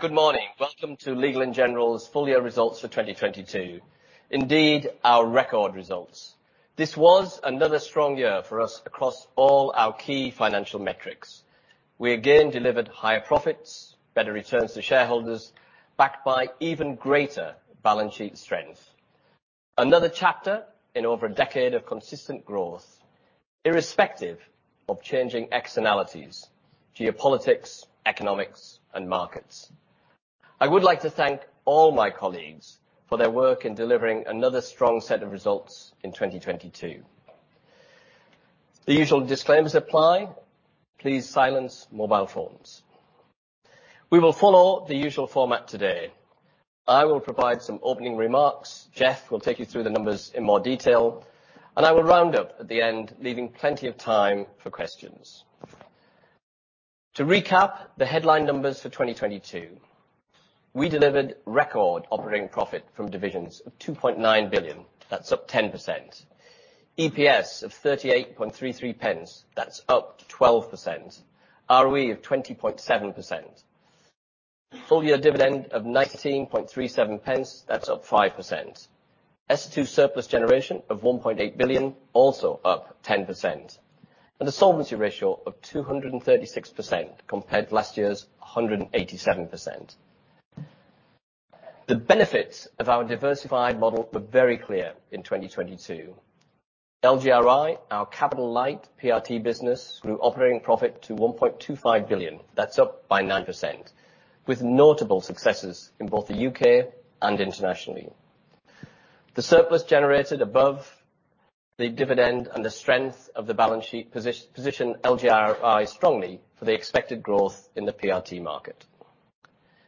Good morning. Welcome to Legal & General's full year results for 2022. Indeed, our record results. This was another strong year for us across all our key financial metrics. We again delivered higher profits, better returns to shareholders, backed by even greater balance sheet strength. Another chapter in over a decade of consistent growth, irrespective of changing externalities, geopolitics, economics, and markets. I would like to thank all my colleagues for their work in delivering another strong set of results in 2022. The usual disclaimers apply. Please silence mobile phones. We will follow the usual format today. I will provide some opening remarks, Jeff will take you through the numbers in more detail, and I will round up at the end, leaving plenty of time for questions. To recap the headline numbers for 2022. We delivered record operating profit from divisions of 2.9 billion. That's up 10%. EPS of 0.3833. That's up 12%. ROE of 20.7%. Full-year dividend of 0.1937. That's up 5%. S2 surplus generation of 1.8 billion, also up 10%. A solvency ratio of 236% compared to last year's 187%. The benefits of our diversified model were very clear in 2022. LGRI, our capital-light PRT business, grew operating profit to 1.25 billion. That's up by 9%, with notable successes in both the U.K. and internationally. The surplus generated above the dividend and the strength of the balance sheet position LGRI strongly for the expected growth in the PRT market.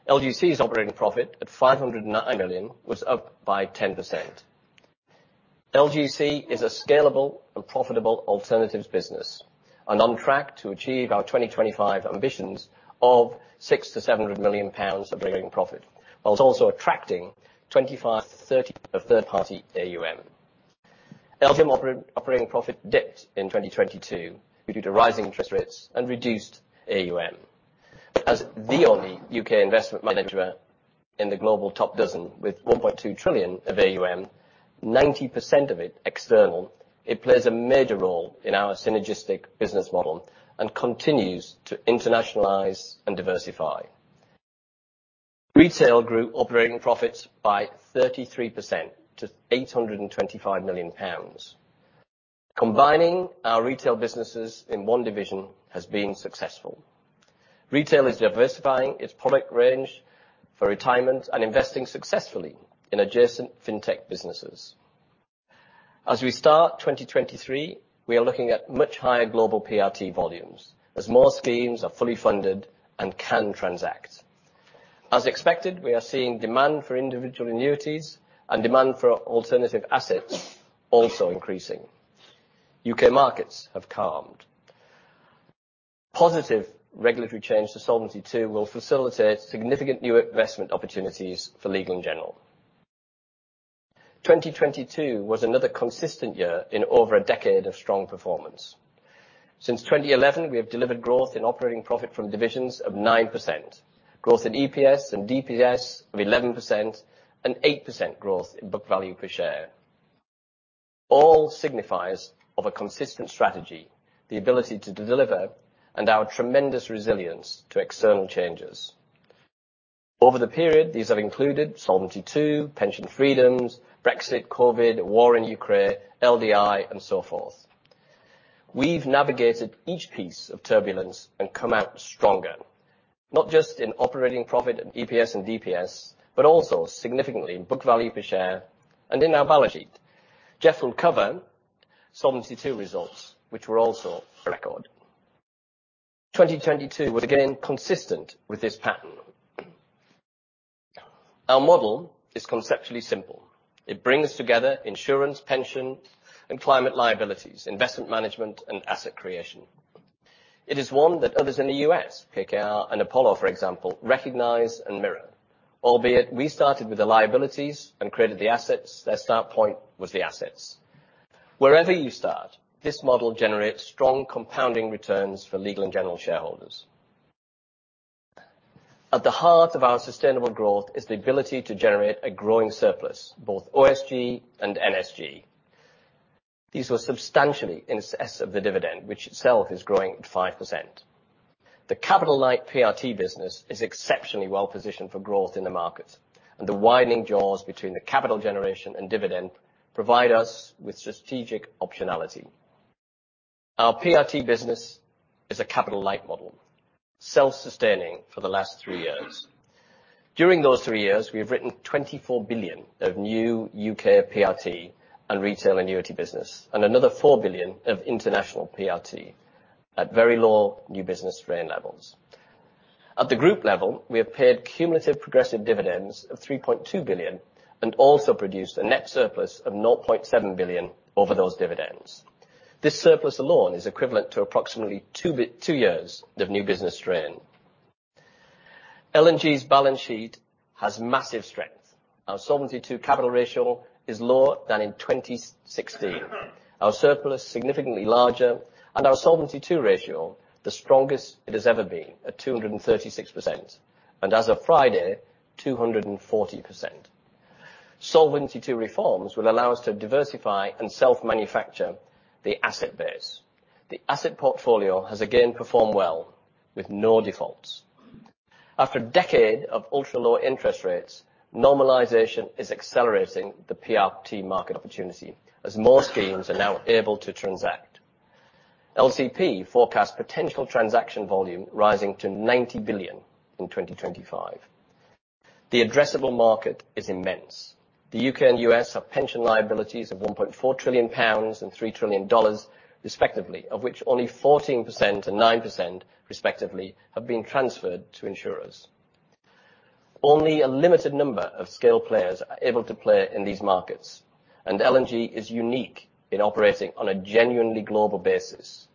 LGC's operating profit at 509 million was up by 10%. LGC is a scalable and profitable alternatives business and on track to achieve our 2025 ambitions of 600 million-700 million pounds of operating profit, whilst also attracting 25%-30% of third-party AUM. LGIM operating profit dipped in 2022 due to rising interest rates and reduced AUM. As the only U.K. investment manager in the global top dozen with 1.2 trillion of AUM, 90% of it external, it plays a major role in our synergistic business model and continues to internationalize and diversify. Retail grew operating profits by 33% to 825 million pounds. Combining our retail businesses in one division has been successful. Retail is diversifying its product range for retirement and investing successfully in adjacent fintech businesses. As we start 2023, we are looking at much higher global PRT volumes, as more schemes are fully funded and can transact. As expected, we are seeing demand for individual annuities and demand for alternative assets also increasing. U.K. markets have calmed. Positive regulatory change to Solvency II will facilitate significant new investment opportunities for Legal & General. 2022 was another consistent year in over a decade of strong performance. Since 2011, we have delivered growth in operating profit from divisions of 9%. Growth in EPS and DPS of 11% and 8% growth in book value per share. All signifies of a consistent strategy, the ability to deliver, and our tremendous resilience to external changes. Over the period, these have included Solvency II, pension freedoms, Brexit, COVID, war in Ukraine, LDI and so forth. We've navigated each piece of turbulence and come out stronger, not just in operating profit and EPS and DPS, but also significantly in book value per share and in our balance sheet. Jeff will cover Solvency II results, which were also record. 2022 was again consistent with this pattern. Our model is conceptually simple. It brings together insurance, pension and climate liabilities, investment management and asset creation. It is one that others in the U.S., KKR and Apollo, for example, recognize and mirror. Albeit we started with the liabilities and created the assets, their start point was the assets. Wherever you start, this model generates strong compounding returns for Legal & General shareholders. At the heart of our sustainable growth is the ability to generate a growing surplus, both OSG and NSG. These were substantially in excess of the dividend, which itself is growing at 5%. The capital-light PRT business is exceptionally well-positioned for growth in the market, and the widening jaws between the capital generation and dividend provide us with strategic optionality. Our PRT business is a capital-light model, self-sustaining for the last three years. During those three years, we have written 24 billion of new U.K. PRT and retail annuity business, and another 4 billion of international PRT at very low new business strain levels. At the group level, we have paid cumulative progressive dividends of 3.2 billion, and also produced a net surplus of 0.7 billion over those dividends. This surplus alone is equivalent to approximately two years of new business strain. L&G's balance sheet has massive strength. Our Solvency II capital ratio is lower than in 2016. Our surplus significantly larger, our Solvency II ratio, the strongest it has ever been at 236%. As of Friday, 240%. Solvency II reforms will allow us to diversify and self-manufacture the asset base. The asset portfolio has again performed well, with no defaults. After a decade of ultra-low interest rates, normalization is accelerating the PRT market opportunity as more schemes are now able to transact. LCP forecast potential transaction volume rising to 90 billion in 2025. The addressable market is immense. The U.K. and U.S. have pension liabilities of 1.4 trillion pounds and $3 trillion respectively, of which only 14% and 9% respectively have been transferred to insurers. Only a limited number of scale players are able to play in these markets, and L&G is unique in operating on a genuinely global basis.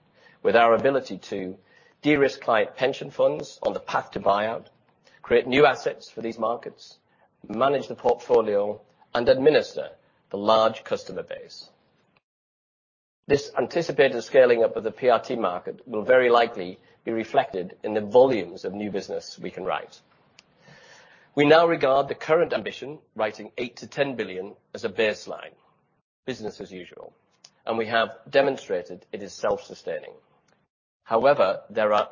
With our ability to de-risk client pension funds on the path to buyout, create new assets for these markets, manage the portfolio, and administer the large customer base. This anticipated scaling up of the PRT market will very likely be reflected in the volumes of new business we can write. We now regard the current ambition, writing 8 billion-10 billion, as a baseline. Business as usual. We have demonstrated it is self-sustaining. However, there are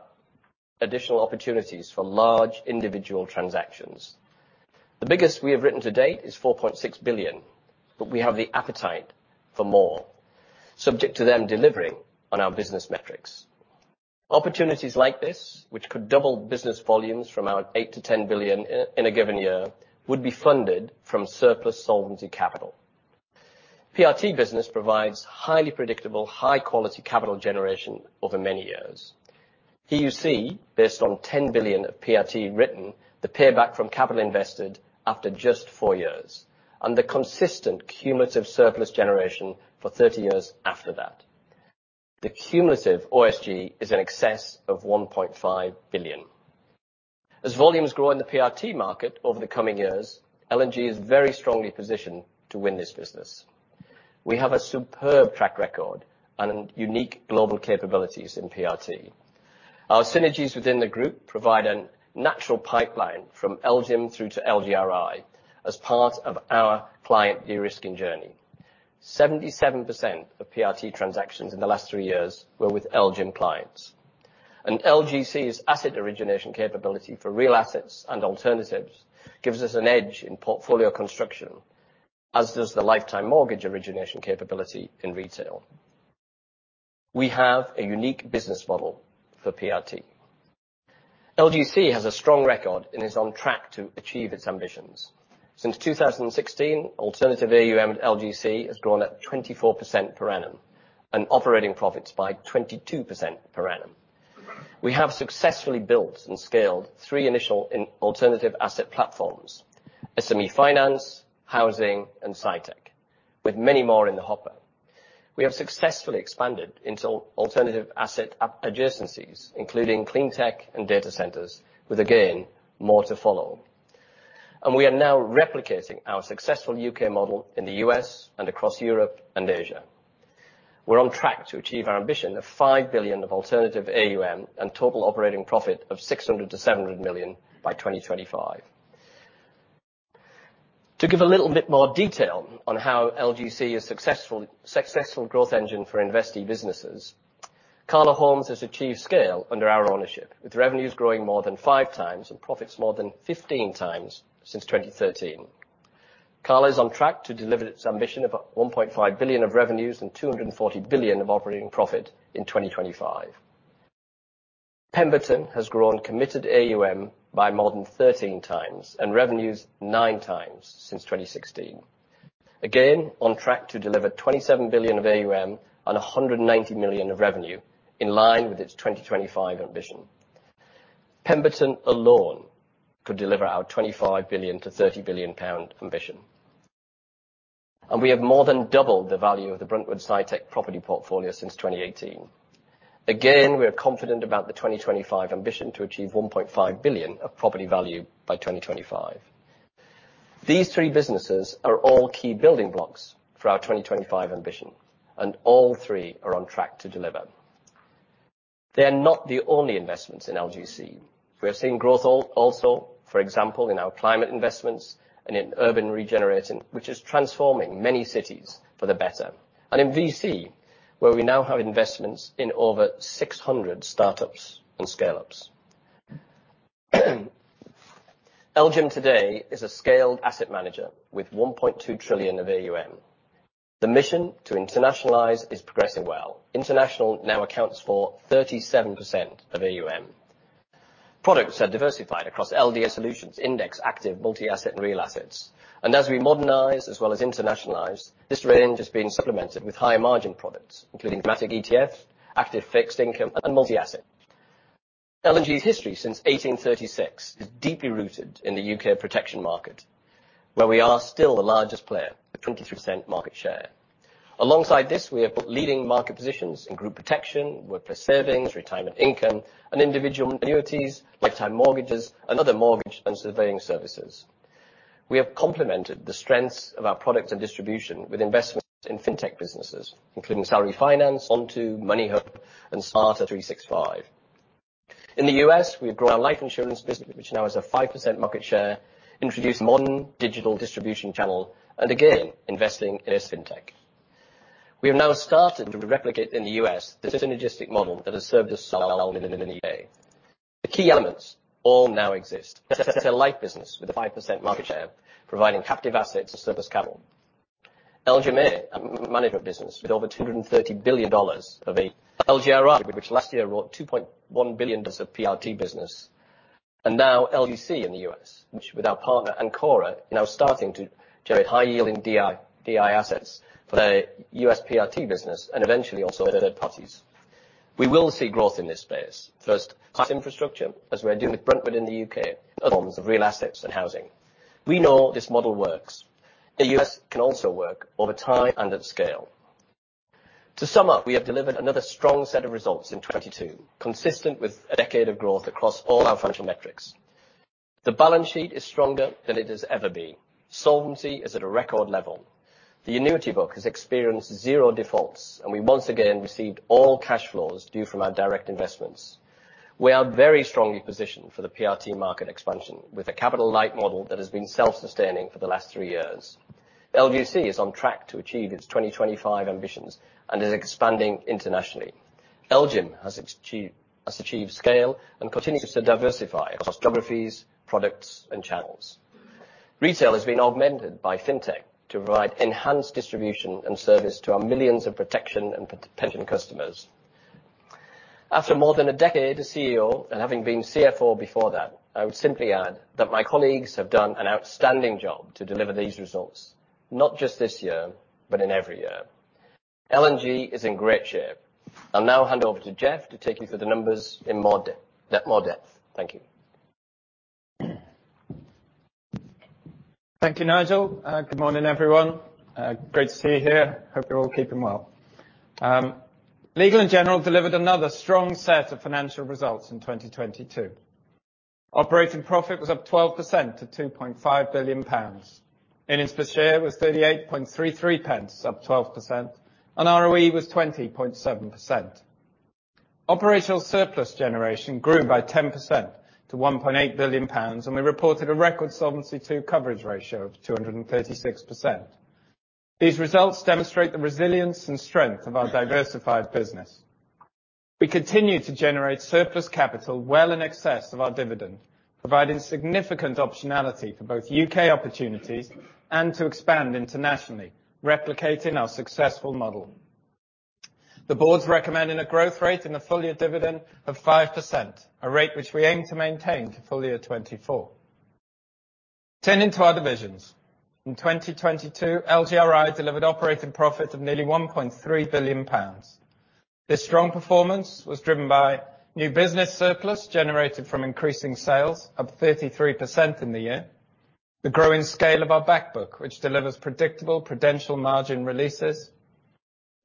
additional opportunities for large individual transactions. The biggest we have written to date is 4.6 billion. We have the appetite for more, subject to them delivering on our business metrics. Opportunities like this, which could double business volumes from our 8 billion-10 billion in a given year, would be funded from surplus solvency capital. PRT business provides highly predictable, high-quality capital generation over many years. Here you see, based on 10 billion of PRT written, the payback from capital invested after just four years, and the consistent cumulative surplus generation for 30 years after that. The cumulative OSG is in excess of 1.5 billion. As volumes grow in the PRT market over the coming years, L&G is very strongly positioned to win this business. We have a superb track record and unique global capabilities in PRT. Our synergies within the group provide a natural pipeline from LGIM through to LGRI as part of our client de-risking journey. 77% of PRT transactions in the last three years were with LGIM clients. LGC's asset origination capability for real assets and alternatives gives us an edge in portfolio construction, as does the lifetime mortgage origination capability in retail. We have a unique business model for PRT. LGC has a strong record and is on track to achieve its ambitions. Since 2016, alternative AUM at LGC has grown at 24% per annum, and operating profits by 22% per annum. We have successfully built and scaled three initial in alternative asset platforms: SME finance, housing, and SciTech, with many more in the hopper. We have successfully expanded into alternative asset adjacencies, including clean tech and data centers, with again, more to follow. We are now replicating our successful U.K. model in the U.S. and across Europe and Asia. We're on track to achieve our ambition of 5 billion of alternative AUM and total operating profit of 600 million-700 million by 2025. To give a little bit more detail on how LGC is successful growth engine for investee businesses, Cala Homes has achieved scale under our ownership, with revenues growing more than five times and profits more than 15 times since 2013. Cala is on track to deliver its ambition of 1.5 billion of revenues and 240 billion of operating profit in 2025. Pemberton has grown committed AUM by more than 13 times, and revenues nine times since 2016. Again, on track to deliver 27 billion of AUM and 190 million of revenue in line with its 2025 ambition. Pemberton alone could deliver our 25 billion-30 billion pound ambition. We have more than doubled the value of the Bruntwood SciTech property portfolio since 2018. Again, we are confident about the 2025 ambition to achieve 1.5 billion of property value by 2025. These three businesses are all key building blocks for our 2025 ambition, and all three are on track to deliver. They're not the only investments in LGC. We are seeing growth also, for example, in our climate investments and in urban regenerating, which is transforming many cities for the better. In VC, where we now have investments in over 600 startups and scale-ups. LGIM today is a scaled asset manager with 1.2 trillion of AUM. The mission to internationalize is progressing well. International now accounts for 37% of AUM. Products have diversified across LDI solutions, index, active, multi-asset, and real assets. As we modernize as well as internationalize, this range is being supplemented with higher margin products, including thematic ETF, active fixed income, and multi-asset. L&G's history since 1836 is deeply rooted in the U.K. protection market, where we are still the largest player with 23% market share. Alongside this, we have got leading market positions in group protection, workplace savings, retirement income, and individual annuities, lifetime mortgages, and other mortgage and surveying services. We have complemented the strengths of our products and distribution with investments in fintech businesses, including Salary Finance, Onto, Moneyhub, and Smartr365. In the U.S., we've grown our life insurance business, which now has a 5% market share, introduced modern digital distribution channel, and again, investing in a fintech. We have now started to replicate in the U.S. this synergistic model that has served us so well in the U.K. The key elements all now exist. It's a life business with a 5% market share providing captive assets to surplus capital. LGIM, a management business with over $230 billion of LGRI, which last year wrote $2.1 billion of PRT business. Now LGC in the U.S., which with our partner Ancora, now starting to generate high-yielding DI assets for the U.S. PRT business and eventually also other parties. We will see growth in this space. First, class infrastructure, as we're doing with Bruntwood in the U.K., other forms of real assets and housing. We know this model works. The U.S. can also work over time and at scale. To sum up, we have delivered another strong set of results in 2022, consistent with a decade of growth across all our financial metrics. The balance sheet is stronger than it has ever been. Solvency is at a record level. The annuity book has experienced zero defaults, and we once again received all cash flows due from our direct investments. We are very strongly positioned for the PRT market expansion with a capital-light model that has been self-sustaining for the last three years. LGC is on track to achieve its 2025 ambitions and is expanding internationally. LGIM has achieved scale and continues to diversify across geographies, products, and channels. Retail has been augmented by fintech to provide enhanced distribution and service to our millions of protection and pension customers. After more than a decade as CEO and having been CFO before that, I would simply add that my colleagues have done an outstanding job to deliver these results, not just this year, but in every year. L&G is in great shape. I'll now hand over to Jeff to take you through the numbers in more depth. Thank you. Thank you, Nigel. Good morning, everyone. Great to see you here. Hope you're all keeping well. Legal & General delivered another strong set of financial results in 2022. Operating profit was up 12% to 2.5 billion pounds. Earnings per share was 0.3833, up 12%, and ROE was 20.7%. Operational surplus generation grew by 10% to 1.8 billion pounds, and we reported a record Solvency II coverage ratio of 236%. These results demonstrate the resilience and strength of our diversified business. We continue to generate surplus capital well in excess of our dividend, providing significant optionality for both U.K. opportunities and to expand internationally, replicating our successful model. The board's recommending a growth rate in the full-year dividend of 5%, a rate which we aim to maintain to full year 2024. Turning to our divisions. In 2022, LGRI delivered operating profit of nearly 1.3 billion pounds. This strong performance was driven by new business surplus generated from increasing sales, up 33% in the year, the growing scale of our back book, which delivers predictable prudential margin releases,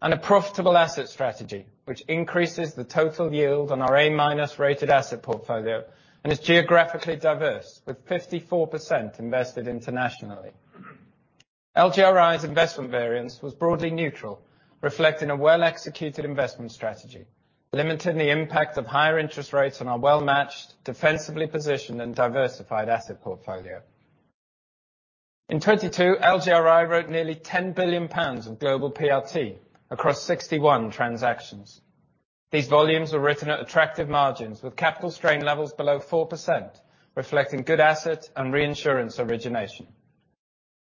and a profitable asset strategy, which increases the total yield on our A- rated asset portfolio, and is geographically diverse, with 54% invested internationally. LGRI's investment variance was broadly neutral, reflecting a well-executed investment strategy, limiting the impact of higher interest rates on our well-matched, defensively positioned and diversified asset portfolio. In 2022, LGRI wrote nearly 10 billion pounds of global PRT across 61 transactions. These volumes were written at attractive margins with capital strain levels below 4%, reflecting good asset and reinsurance origination.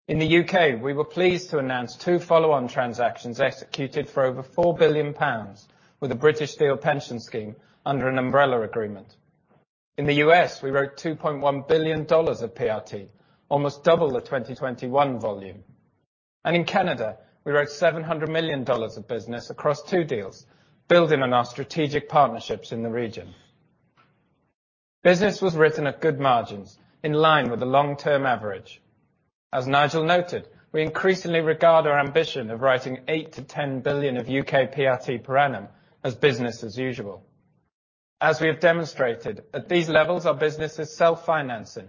In the U.K., we were pleased to announce two follow-on transactions executed for over 4 billion pounds with a British Steel Pension Scheme under an umbrella agreement. In the U.S., we wrote $2.1 billion of PRT, almost double the 2021 volume. In Canada, we wrote $700 million of business across two deals, building on our strategic partnerships in the region. Business was written at good margins in line with the long-term average. As Nigel noted, we increasingly regard our ambition of writing 8 billion-10 billion of U.K. PRT per annum as business as usual. We have demonstrated, at these levels, our business is self-financing,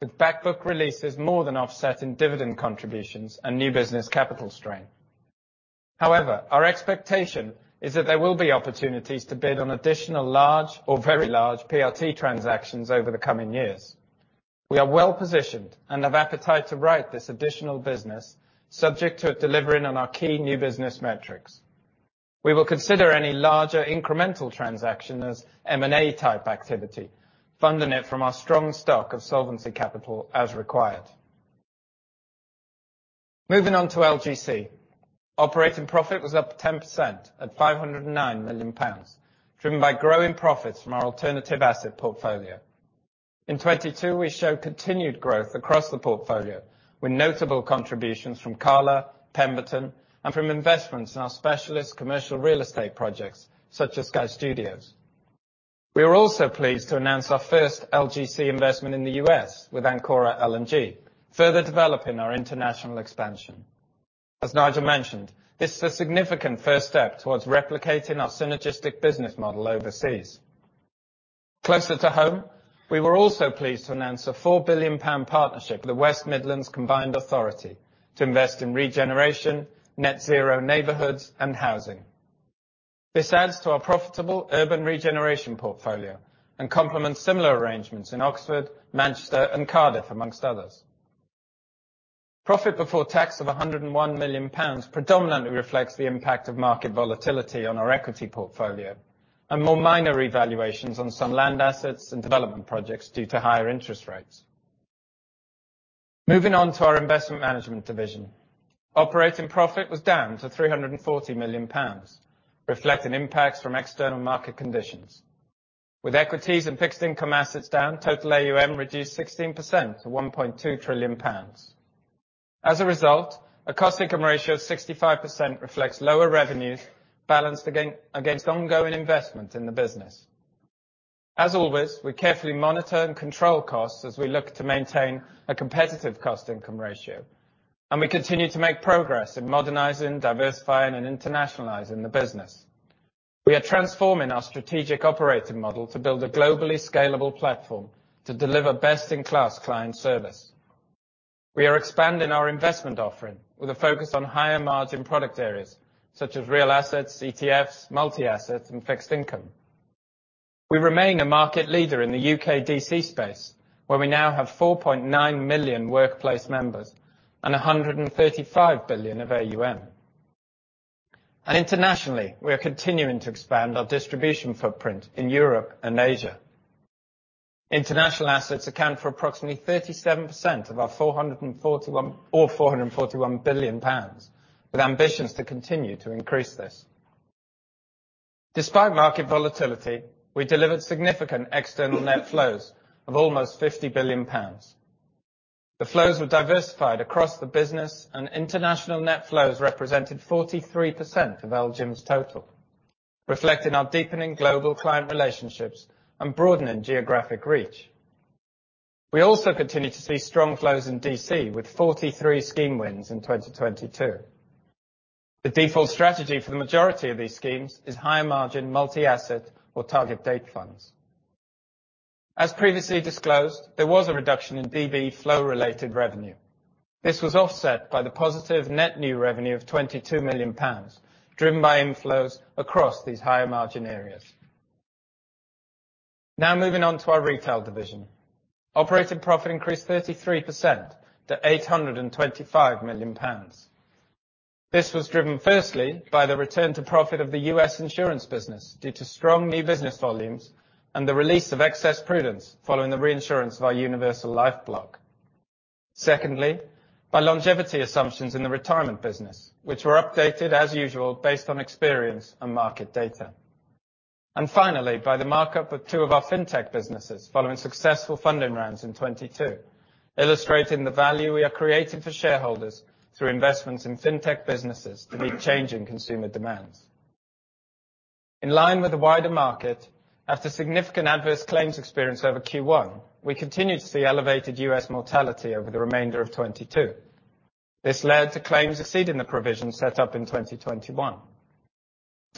with back book releases more than offset in dividend contributions and new business capital strain. However, our expectation is that there will be opportunities to bid on additional large or very large PRT transactions over the coming years. We are well-positioned and have appetite to write this additional business, subject to it delivering on our key new business metrics. We will consider any larger incremental transaction as M&A type activity, funding it from our strong stock of solvency capital as required. Moving on to LGC. Operating profit was up 10% at 509 million pounds, driven by growing profits from our alternative asset portfolio. In 2022, we show continued growth across the portfolio, with notable contributions from Cala, Pemberton, and from investments in our specialist commercial real estate projects such as Sky Studios. We are also pleased to announce our first LGC investment in the U.S. with Ancora L&G, further developing our international expansion. As Nigel mentioned, this is a significant first step towards replicating our synergistic business model overseas. Closer to home, we were also pleased to announce a 4 billion pound partnership with the West Midlands Combined Authority to invest in regeneration, net zero neighborhoods and housing. This adds to our profitable urban regeneration portfolio and complements similar arrangements in Oxford, Manchester and Cardiff, amongst others. Profit before tax of 101 million pounds predominantly reflects the impact of market volatility on our equity portfolio and more minor revaluations on some land assets and development projects due to higher interest rates. Moving on to our investment management division. Operating profit was down to 340 million pounds, reflecting impacts from external market conditions. With equities and fixed income assets down, total AUM reduced 16% to 1.2 trillion pounds. As a result, a cost income ratio of 65% reflects lower revenues balanced against ongoing investment in the business. As always, we carefully monitor and control costs as we look to maintain a competitive cost income ratio. We continue to make progress in modernizing, diversifying, and internationalizing the business. We are transforming our strategic operating model to build a globally scalable platform to deliver best in class client service. We are expanding our investment offering with a focus on higher margin product areas such as real assets, ETFs, multi-asset and fixed income. We remain a market leader in the U.K. DC space, where we now have 4.9 million workplace members and 135 billion of AUM. Internationally, we are continuing to expand our distribution footprint in Europe and Asia. International assets account for approximately 37% of our 441 billion pounds, with ambitions to continue to increase this. Despite market volatility, we delivered significant external net flows of almost 50 billion pounds. The flows were diversified across the business, and international net flows represented 43% of LGIM's total, reflecting our deepening global client relationships and broadening geographic reach. We also continue to see strong flows in DC with 43 scheme wins in 2022. The default strategy for the majority of these schemes is higher margin, multi-asset or target date funds. As previously disclosed, there was a reduction in DB flow related revenue. This was offset by the positive net new revenue of 22 million pounds, driven by inflows across these higher margin areas. Moving on to our retail division. Operating profit increased 33% to 825 million pounds. This was driven firstly by the return to profit of the U.S. insurance business due to strong new business volumes and the release of excess prudence following the reinsurance of our universal life block. Secondly, by longevity assumptions in the retirement business, which were updated as usual based on experience and market data. Finally, by the markup of two of our fintech businesses following successful funding rounds in 2022, illustrating the value we are creating for shareholders through investments in fintech businesses to meet changing consumer demands. In line with the wider market, after significant adverse claims experience over Q1, we continued to see elevated U.S. mortality over the remainder of 2022. This led to claims exceeding the provision set up in 2021. To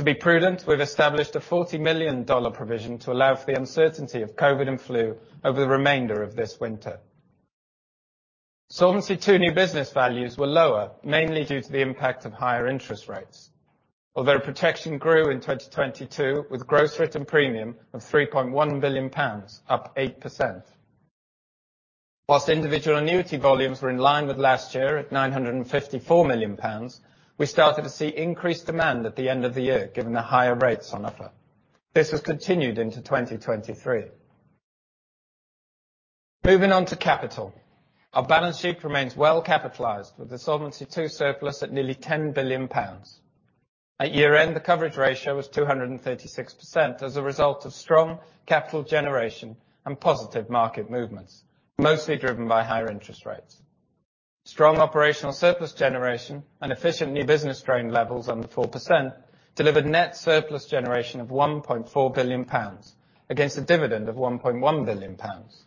be prudent, we've established a $40 million provision to allow for the uncertainty of COVID and flu over the remainder of this winter. Solvency II new business values were lower, mainly due to the impact of higher interest rates. Protection grew in 2022 with gross written premium of 3.1 billion pounds, up 8%. Individual annuity volumes were in line with last year at 954 million pounds, we started to see increased demand at the end of the year, given the higher rates on offer. This has continued into 2023. Moving on to capital. Our balance sheet remains well capitalized, with the Solvency II surplus at nearly 10 billion pounds. At year-end, the coverage ratio was 236% as a result of strong capital generation and positive market movements, mostly driven by higher interest rates. Strong operational surplus generation and efficient new business drain levels under 4% delivered net surplus generation of 1.4 billion pounds against a dividend of 1.1 billion pounds.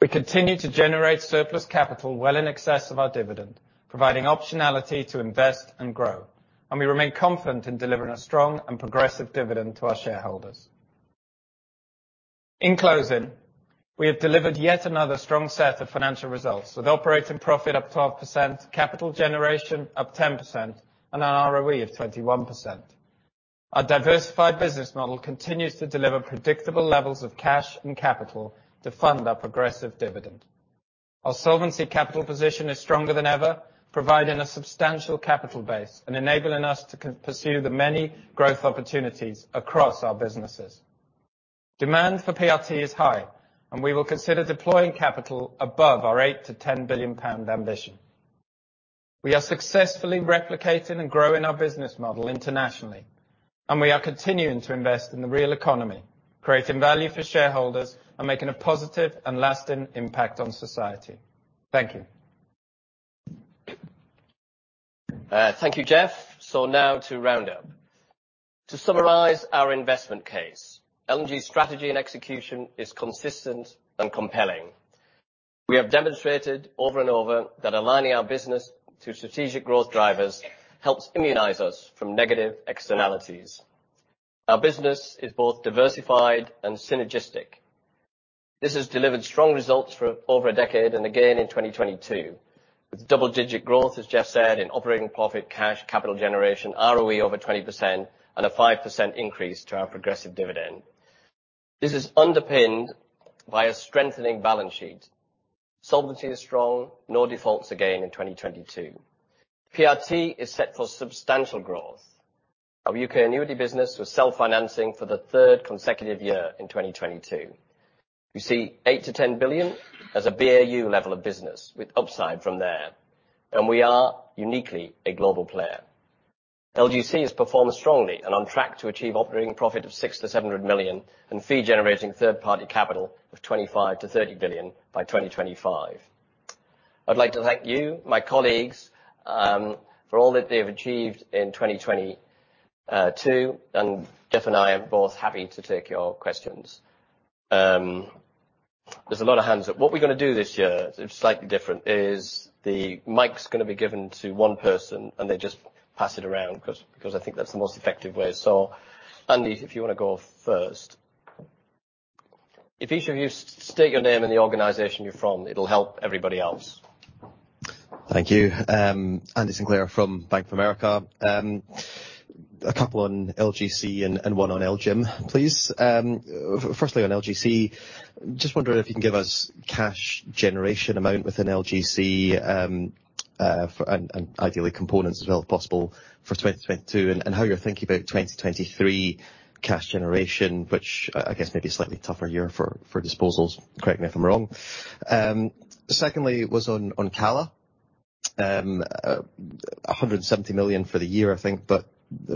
We continue to generate surplus capital well in excess of our dividend, providing optionality to invest and grow. We remain confident in delivering a strong and progressive dividend to our shareholders. In closing, we have delivered yet another strong set of financial results, with operating profit up 12%, capital generation up 10%, and an ROE of 21%. Our diversified business model continues to deliver predictable levels of cash and capital to fund our progressive dividend. Our solvency capital position is stronger than ever, providing a substantial capital base and enabling us to pursue the many growth opportunities across our businesses. Demand for PRT is high. We will consider deploying capital above our 8 billion-10 billion pound ambition. We are successfully replicating and growing our business model internationally. We are continuing to invest in the real economy, creating value for shareholders and making a positive and lasting impact on society. Thank you. Thank you, Jeff. Now to round up. To summarize our investment case, L&G strategy and execution is consistent and compelling. We have demonstrated over and over that aligning our business to strategic growth drivers helps immunize us from negative externalities. Our business is both diversified and synergistic. This has delivered strong results for over a decade, and again in 2022, with double digit growth, as Jeff said, in operating profit, cash, capital generation, ROE over 20%, and a 5% increase to our progressive dividend. This is underpinned by a strengthening balance sheet. Solvency is strong. No defaults again in 2022. PRT is set for substantial growth. Our U.K. annuity business was self-financing for the third consecutive year in 2022. We see 8 billion-10 billion as a BAU level of business with upside from there, and we are uniquely a global player. LGC has performed strongly and on track to achieve operating profit of 600 million-700 million, and fee generating third-party capital of 25 billion-30 billion by 2025. I'd like to thank you, my colleagues, for all that they've achieved in 2022, and Jeff and I are both happy to take your questions. There's a lot of hands up. What we're gonna do this year slightly different, is the mic's gonna be given to one person, they just pass it around 'cause I think that's the most effective way. Andy, if you wanna go first. If each of you state your name and the organization you're from, it'll help everybody else. Thank you. Andrew Sinclair from Bank of America. A couple on LGC and one on LGIM, please. Firstly on LGC, just wondering if you can give us cash generation amount within LGC and ideally components, if at all possible for 2022, and how you're thinking about 2023 cash generation, which I guess may be a slightly tougher year for disposals. Correct me if I'm wrong. Secondly was on Cala. 170 million for the year, I think, but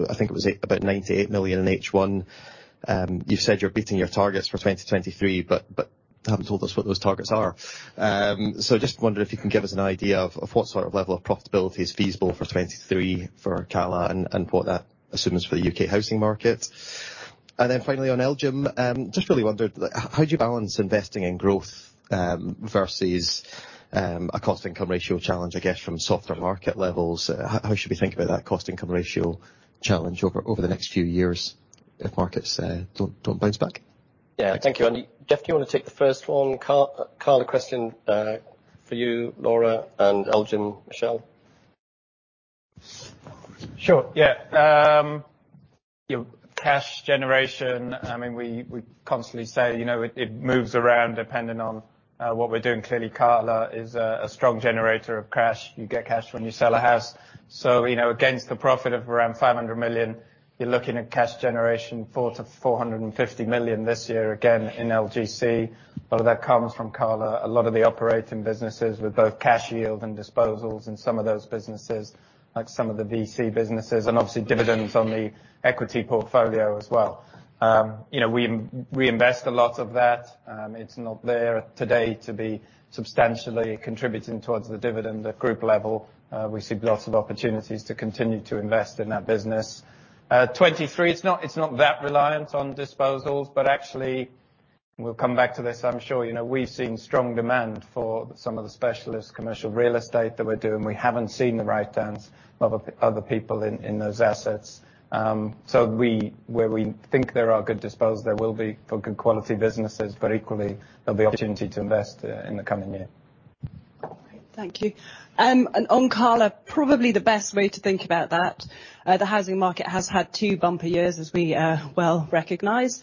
I think it was about 98 million in H1. You've said you're beating your targets for 2023, but haven't told us what those targets are. Just wonder if you can give us an idea of what sort of level of profitability is feasible for 2023 for Cala and what that assumes for the U.K. housing market. Finally on LGIM, just really wondered how do you balance investing in growth versus a cost income ratio challenge, I guess from softer market levels? How should we think about that cost income ratio challenge over the next few years if markets don't bounce back? Yeah. Thank you, Andy. Jeff, do you wanna take the first one? Cala question, for you, Laura, and LGIM, Michelle. Sure, yeah. Cash generation, I mean, we constantly say, you know, it moves around depending on what we're doing. Clearly, Cala is a strong generator of cash. You get cash when you sell a house. You know, against the profit of around 500 million, you're looking at cash generation 400 million-450 million this year again in LGC. A lot of that comes from Cala. A lot of the operating businesses with both cash yield and disposals in some of those businesses, like some of the VC businesses, and obviously dividends on the equity portfolio as well. You know, we invest a lot of that. It's not there today to be substantially contributing towards the dividend at group level. We see lots of opportunities to continue to invest in that business. 2023, it's not that reliant on disposals, but actually, and we'll come back to this I'm sure, you know, we've seen strong demand for some of the specialist commercial real estate that we're doing. We haven't seen the writedowns of other people in those assets. Where we think there are good disposals, there will be for good quality businesses, but equally there'll be opportunity to invest in the coming year. Thank you. On Cala, probably the best way to think about that, the housing market has had two bumper years as we well recognize.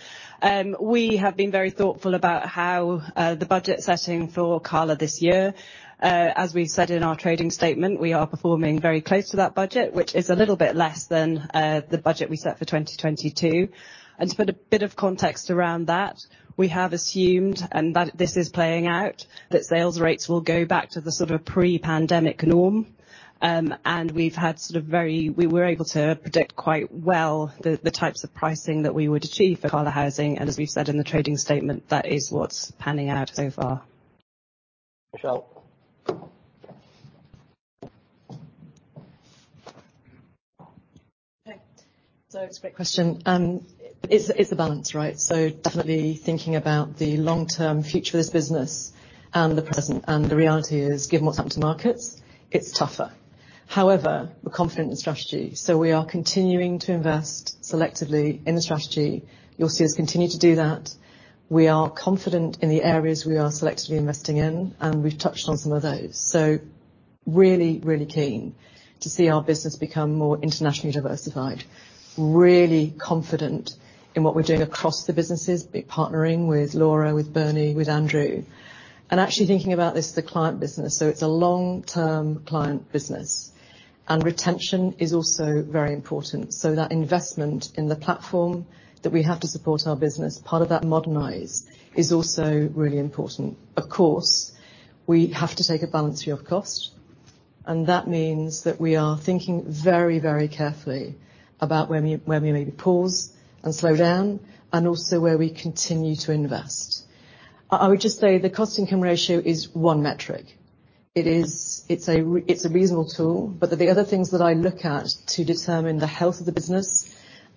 We have been very thoughtful about how the budget setting for Cala this year. As we said in our trading statement, we are performing very close to that budget, which is a little bit less than the budget we set for 2022. To put a bit of context around that, we have assumed, and that this is playing out, that sales rates will go back to the sort of pre-pandemic norm. We've had sort of very we were able to predict quite well the types of pricing that we would achieve for Cala housing, and as we've said in the trading statement, that is what's panning out so far. Michelle. Okay. It's a great question. It's the balance, right? Definitely thinking about the long-term future of this business and the present, and the reality is, given what's happened to markets, it's tougher. However, we're confident in strategy. We are continuing to invest selectively in the strategy. You'll see us continue to do that. We are confident in the areas we are selectively investing in, and we've touched on some of those. Really, really keen to see our business become more internationally diversified. Really confident in what we're doing across the businesses, be partnering with Laura, with Bernie, with Andrew. Actually thinking about this as a client business. It's a long-term client business, and retention is also very important. That investment in the platform that we have to support our business, part of that modernize is also really important. Of course, we have to take a balanced view of cost. That means that we are thinking very, very carefully about where we maybe pause and slow down, and also where we continue to invest. I would just say the cost income ratio is one metric. It's a reasonable tool. The other things that I look at to determine the health of the business,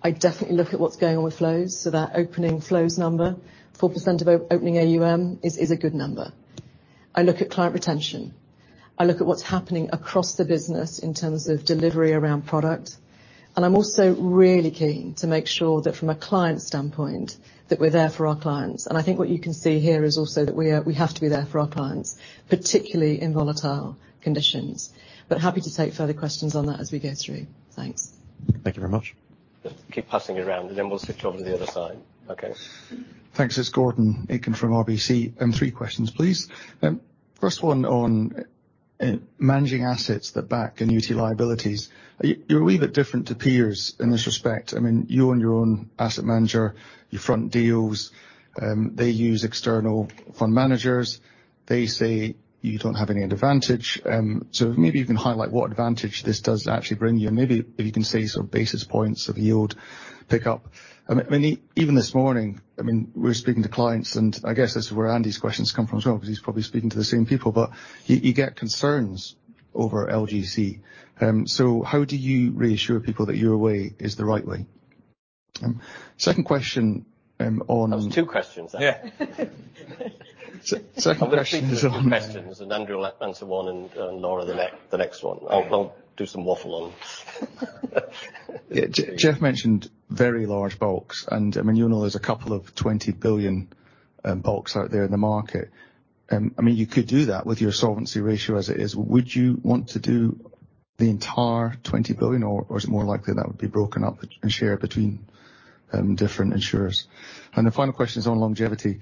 I definitely look at what's going on with flows. So that opening flows number, 4% of opening AUM is a good number. I look at client retention. I look at what's happening across the business in terms of delivery around product. I'm also really keen to make sure that from a client standpoint, that we're there for our clients. I think what you can see here is also that we have to be there for our clients, particularly in volatile conditions. Happy to take further questions on that as we go through. Thanks. Thank you very much. Keep passing it around, and then we'll switch over to the other side. Okay. Thanks. It's Gordon Aitken from RBC. Three questions, please. First one on managing assets that back annuity liabilities. You're a wee bit different to peers in this respect. I mean, you own your own asset manager, you front deals, they use external fund managers. They say you don't have any advantage. Maybe you can highlight what advantage this does actually bring you, and maybe if you can say sort of basis points of yield pickup. I mean, even this morning, I mean, we're speaking to clients, I guess this is where Andy's questions come from as well, 'cause he's probably speaking to the same people, you get concerns over LGC. How do you reassure people that your way is the right way? Second question. That was two questions there. Yeah. Second question is on. I'm gonna treat them as two questions, and Andrew will answer one and Laura the next one. I'll do some waffle on. Yeah. Jeff mentioned very large bulks, and I mean, you'll know there's a couple of 20 billion bulks out there in the market. I mean, you could do that with your solvency ratio as it is. Would you want to do the entire 20 billion, or is it more likely that would be broken up and shared between different insurers? The final question is on longevity.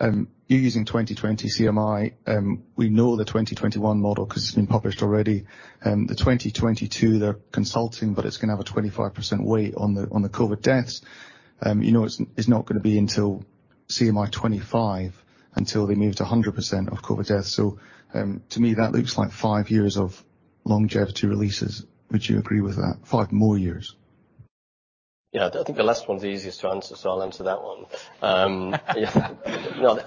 You're using 2020 CMI. We know the 2021 model 'cause it's been published already. The 2022, they're consulting, but it's gonna have a 25% weight on the COVID deaths. You know it's not gonna be until CMI 25 until they move to a 100% of COVID deaths. To me, that looks like five years of longevity releases. Would you agree with that? Five more years. Yeah. I think the last one's the easiest to answer, so I'll answer that one. No,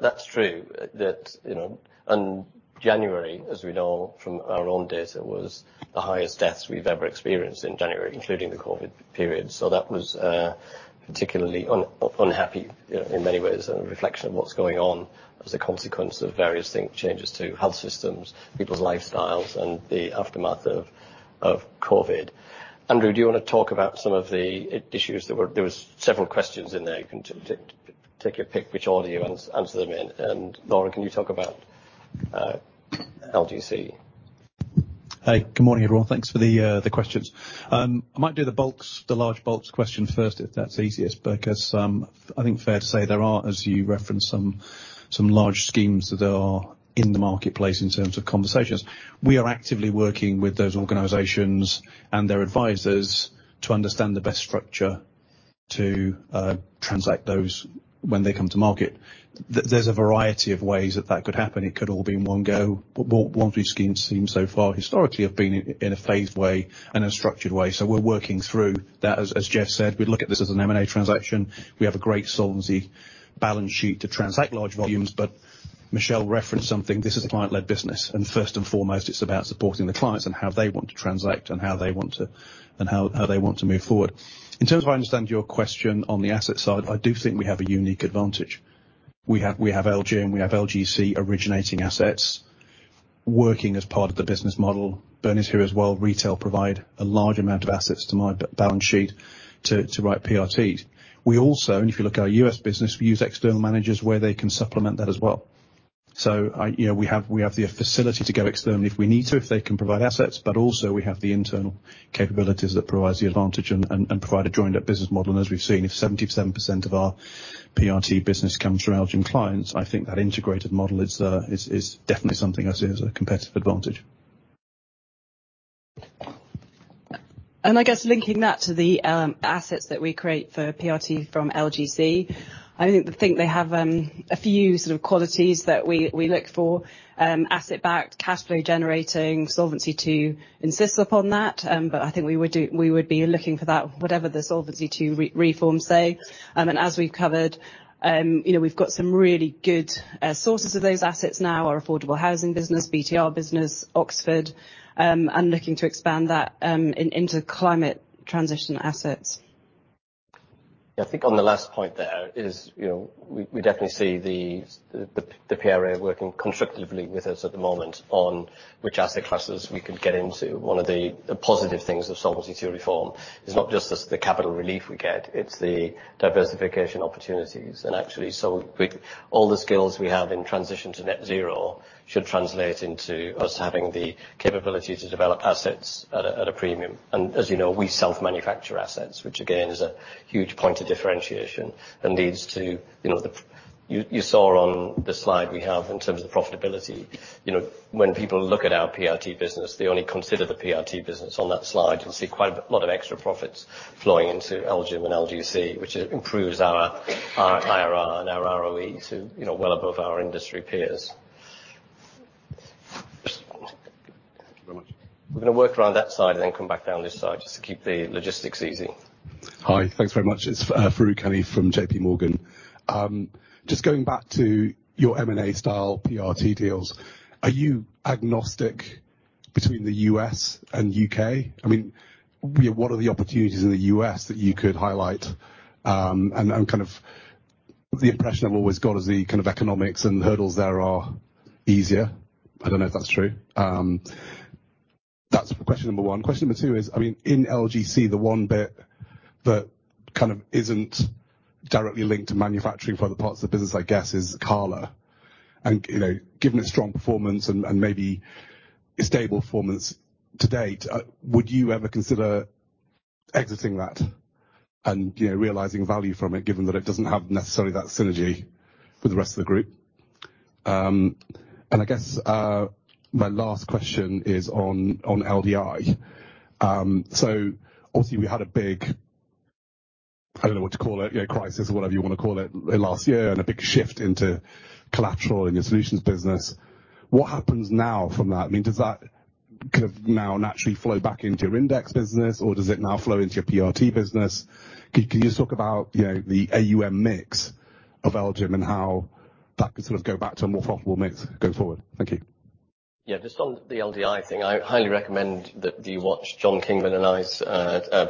that's true. That, you know. January, as we know from our own data, was the highest deaths we've ever experienced in January, including the COVID period. That was particularly unhappy in many ways, a reflection of what's going on as a consequence of various things, changes to health systems, people's lifestyles, and the aftermath of COVID. Andrew, do you wanna talk about some of the issues? There was several questions in there. You can take your pick which order you answer them in. Laura, can you talk about LGC? Hey, good morning, everyone. Thanks for the questions. I might do the bulks, the large bulks question first if that's easiest, because I think fair to say there are, as you referenced, some large schemes that are in the marketplace in terms of conversations. We are actively working with those organizations and their advisors to understand the best structure to transact those when they come to market. There's a variety of ways that that could happen. It could all be in one go. What we've seen so far historically have been in a phased way and a structured way. We're working through that. As Jeff said, we look at this as an M&A transaction. We have a great solvency balance sheet to transact large volumes. Michelle referenced something. This is a client-led business, and first and foremost, it's about supporting the clients and how they want to transact and how they want to move forward. In terms of I understand your question on the asset side, I do think we have a unique advantage. We have LGIM, we have LGC originating assets working as part of the business model. Bernie's here as well. Retail provide a large amount of assets to my balance sheet to write PRTs. We also, and if you look at our U.S. business, we use external managers where they can supplement that as well. I, you know, we have, we have the facility to go externally if we need to, if they can provide assets, but also we have the internal capabilities that provides the advantage and provide a joined up business model. As we've seen, if 77% of our PRT business comes from LGIM clients, I think that integrated model is definitely something I see as a competitive advantage. I guess linking that to the assets that we create for PRT from LGC, I think they have a few sort of qualities that we look for. Asset backed, cash flow generating, Solvency II to insist upon that. I think we would be looking for that whatever the Solvency II reform say. As we've covered, you know, we've got some really good sources of those assets now, our affordable housing business, BTR business, Oxford, and looking to expand that into climate transition assets. Yeah. I think on the last point there is, you know, we definitely see the PRA working constructively with us at the moment on which asset classes we could get into. One of the positive things of Solvency II reform is not just the capital relief we get, it's the diversification opportunities. Actually, all the skills we have in transition to net zero should translate into us having the capability to develop assets at a premium. As you know, we self-manufacture assets, which again, is a huge point of differentiation and leads to, you know, you saw on the slide we have in terms of profitability. You know, when people look at our PRT business, they only consider the PRT business. On that slide, you'll see quite a lot of extra profits flowing into LGIM and LGC, which improves our IRR and our ROE to, you know, well above our industry peers. We're gonna work around that side and then come back down this side just to keep the logistics easy. Hi. Thanks very much. It's Farooq Hanif from JPMorgan. Just going back to your M&A style PRT deals, are you agnostic between the U.S. and U.K.? I mean, what are the opportunities in the U.S. that you could highlight, and kind of the impression I've always got is the kind of economics and the hurdles there are easier. I don't know if that's true. That's question number one. Question number two is, I mean, in LGC, the one bit that kind of isn't directly linked to manufacturing for other parts of the business, I guess, is Cala. You know, given its strong performance and maybe stable performance to date, would you ever consider exiting that and, you know, realizing value from it given that it doesn't have necessarily that synergy with the rest of the group? I guess, my last question is on LDI. Obviously we had a big, I don't know what to call it, you know, crisis, whatever you wanna call it, last year, and a big shift into collateral in your solutions business. What happens now from that? I mean, does that kind of now naturally flow back into your index business, or does it now flow into your PRT business? Can you just talk about, you know, the AUM mix of LGIM and how that could sort of go back to a more profitable mix going forward? Thank you. Yeah. Just on the LDI thing, I highly recommend that you watch John Kingman and I's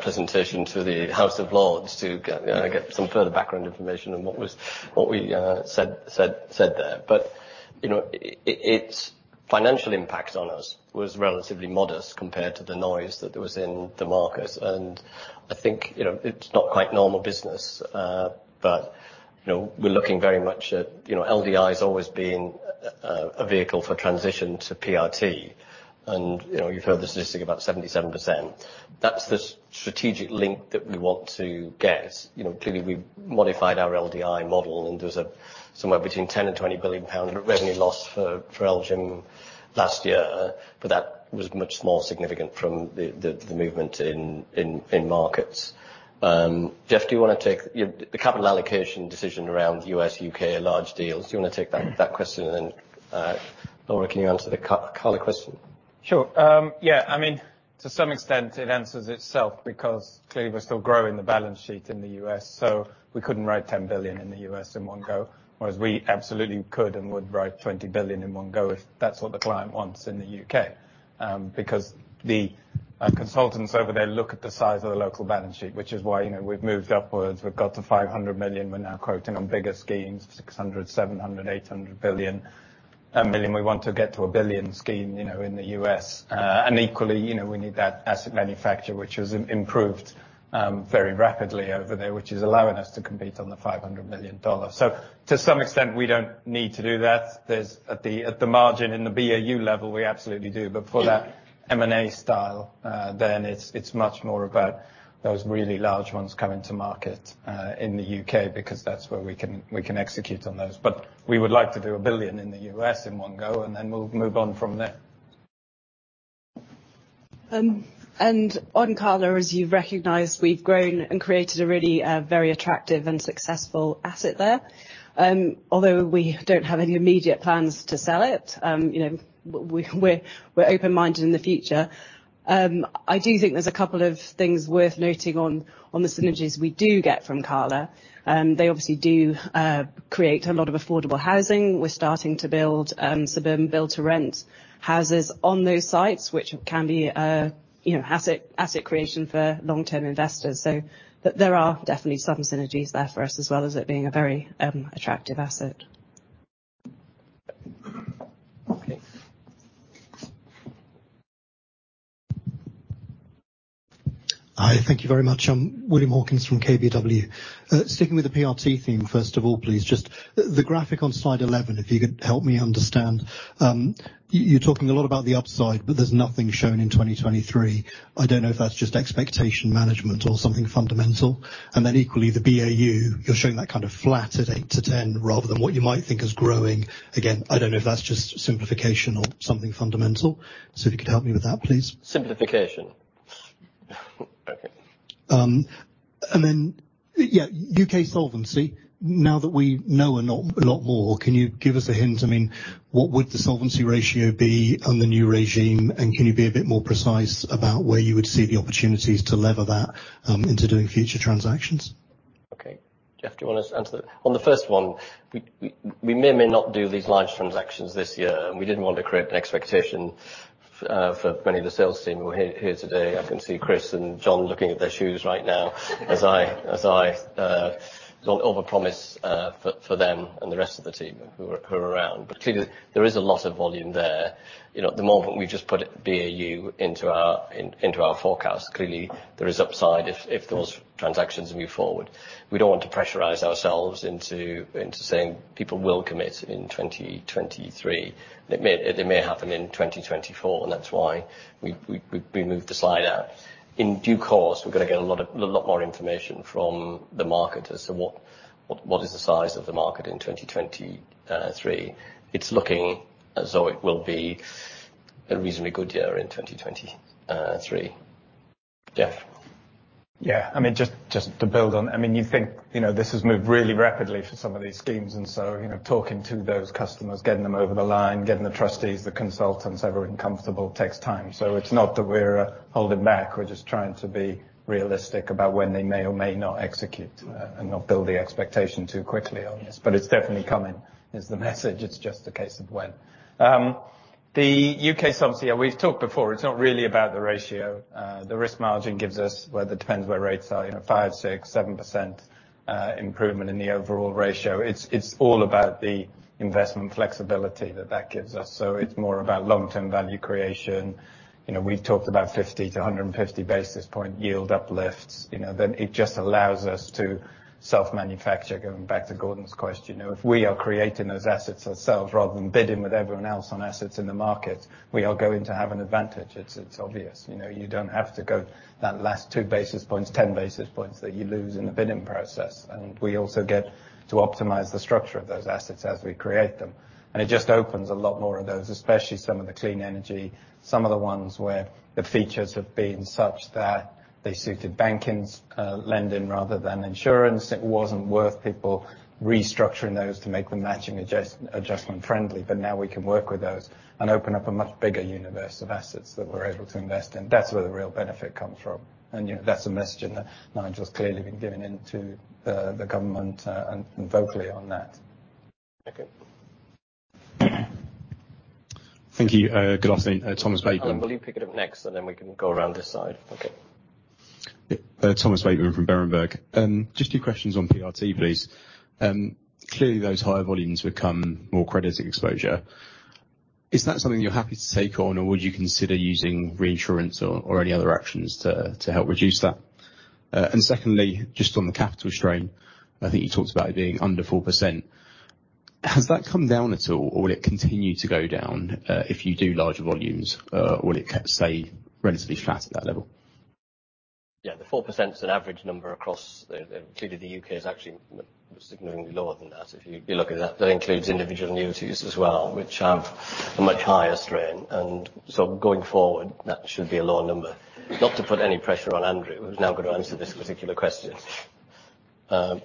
presentation to the House of Lords to get some further background information on what we said there. You know, it's financial impact on us was relatively modest compared to the noise that there was in the market. I think, you know, it's not quite normal business, but, you know, we're looking very much at, you know, LDI's always been a vehicle for transition to PRT and, you know, you've heard the statistic about 77%. That's the strategic link that we want to get. You know, clearly we modified our LDI model, and there's a somewhere between 10 billion and 20 billion pounds revenue loss for LGIM last year, but that was much more significant from the movement in markets. Jeff, do you wanna take the capital allocation decision around U.S., U.K. are large deals? Do you wanna take that question, and then Laura, can you answer the Cala question? Sure. I mean, to some extent it answers itself because clearly we're still growing the balance sheet in the U.S., so we couldn't write $10 billion in the U.S. in one go. Whereas we absolutely could and would write 20 billion in one go if that's what the client wants in the U.K. Because the consultants over there look at the size of the local balance sheet, which is why, you know, we've moved upwards. We've got to $500 million. We're now quoting on bigger schemes, $600 million, $700 million, $800 million. We want to get to a $1 billion scheme, you know, in the U.S. And equally, you know, we need that asset manufacture, which has improved very rapidly over there, which is allowing us to compete on the $500 million. To some extent we don't need to do that. At the margin in the BAU level, we absolutely do. For that M&A style, then it's much more about those really large ones coming to market in the U.K. because that's where we can execute on those. We would like to do $1 billion in the U.S. in one go, then we'll move on from there. On Cala, as you've recognized, we've grown and created a really very attractive and successful asset there. Although we don't have any immediate plans to sell it, you know, we're open-minded in the future. I do think there's a couple of things worth noting on the synergies we do get from Cala. They obviously do create a lot of affordable housing. We're starting to build suburban build to rent houses on those sites, which can be, you know, asset creation for long-term investors. There are definitely some synergies there for us, as well as it being a very attractive asset. Okay. Hi. Thank you very much. I'm William Hawkins from KBW. Sticking with the PRT theme first of all, please, just the graphic on Slide 11, if you could help me understand. You're talking a lot about the upside, but there's nothing shown in 2023. I don't know if that's just expectation management or something fundamental. Equally the BAU, you're showing that kind of flat at 8-10 rather than what you might think is growing. Again, I don't know if that's just simplification or something fundamental. If you could help me with that, please. Simplification. Okay. Then, yeah, U.K. solvency. Now that we know a lot more, can you give us a hint, I mean, what would the solvency ratio be on the new regime, and can you be a bit more precise about where you would see the opportunities to lever that into doing future transactions? Okay. Jeff, do you wanna answer that? On the first one, we may or may not do these large transactions this year, and we didn't want to create an expectation for many of the sales team who are here today. I can see Chris and John looking at their shoes right now as I overpromise for them and the rest of the team who are around. Clearly there is a lot of volume there. You know, at the moment we've just put BAU into our forecast. Clearly there is upside if those transactions move forward. We don't want to pressurize ourselves into saying people will commit in 2023. It may, it may happen in 2024, and that's why we moved the slide out. In due course, we're gonna get a lot of, a lot more information from the market as to what is the size of the market in 2023. It's looking as though it will be a reasonably good year in 2023. Jeff? Just to build on. You think, you know, this has moved really rapidly for some of these schemes. You know, talking to those customers, getting them over the line, getting the trustees, the consultants, everyone comfortable takes time. It's not that we're holding back, we're just trying to be realistic about when they may or may not execute, and not build the expectation too quickly on this. It's definitely coming, is the message. It's just a case of when. The U.K. subsidy, we've talked before, it's not really about the ratio. The risk margin gives us whether it depends where rates are, you know, 5%, 6%, 7% improvement in the overall ratio. It's all about the investment flexibility that gives us. It's more about long-term value creation. You know, we've talked about 50-150 basis points yield uplifts, you know. It just allows us to self-manufacture, going back to Gordon's question. You know, if we are creating those assets ourselves rather than bidding with everyone else on assets in the market, we are going to have an advantage. It's, it's obvious. You know, you don't have to go that last 2 basis points, 10 basis points that you lose in the bidding process. We also get to optimize the structure of those assets as we create them. It just opens a lot more of those, especially some of the clean energy, some of the ones where the features have been such that they suited banking's lending rather than insurance. It wasn't worth people restructuring those to make them matching adjustment friendly. Now we can work with those and open up a much bigger universe of assets that we're able to invest in. That's where the real benefit comes from. You know, that's a message that Nigel's clearly been giving into the government and vocally on that. Okay. Thank you. good afternoon. Thomas Bateman. Will you pick it up next, and then we can go around this side. Okay. Thomas Bateman from Berenberg. Just two questions on PRT, please. Clearly, those higher volumes become more credit exposure. Is that something you're happy to take on or would you consider using reinsurance or any other actions to help reduce that? Secondly, just on the capital strain, I think you talked about it being under 4%. Has that come down at all or will it continue to go down if you do larger volumes? Will it stay relatively flat at that level? Yeah, the 4%'s an average number across. Clearly the U.K. is actually significantly lower than that. If you look at that. That includes individual annuities as well, which have a much higher strain. Going forward, that should be a lower number. Not to put any pressure on Andrew, who's now gonna answer this particular question. I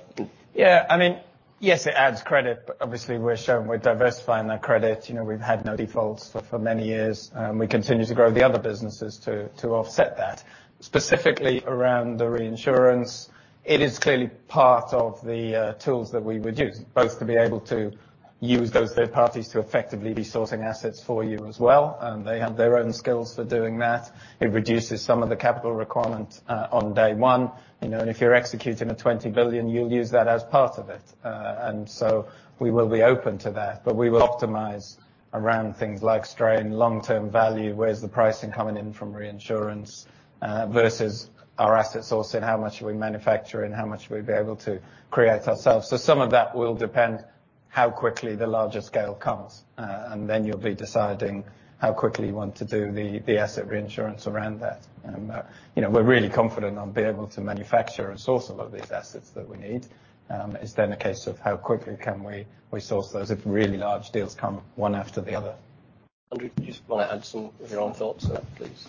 mean, yes, it adds credit, but obviously we're showing we're diversifying that credit. You know, we've had no defaults for many years. We continue to grow the other businesses to offset that. Specifically around the reinsurance, it is clearly part of the tools that we would use, both to be able to use those third parties to effectively be sourcing assets for you as well, and they have their own skills for doing that. It reduces some of the capital requirement on day one. You know, and if you're executing a 20 billion, you'll use that as part of it. We will be open to that, but we will optimize around things like strain, long-term value, where's the pricing coming in from reinsurance, versus our asset sourcing, how much we manufacture and how much we'll be able to create ourselves. Some of that will depend how quickly the larger scale comes, and then you'll be deciding how quickly you want to do the asset reinsurance around that. You know, we're really confident I'll be able to manufacture and source a lot of these assets that we need. It's then a case of how quickly can we source those if really large deals come one after the other. Andrew, do you wanna add some of your own thoughts please?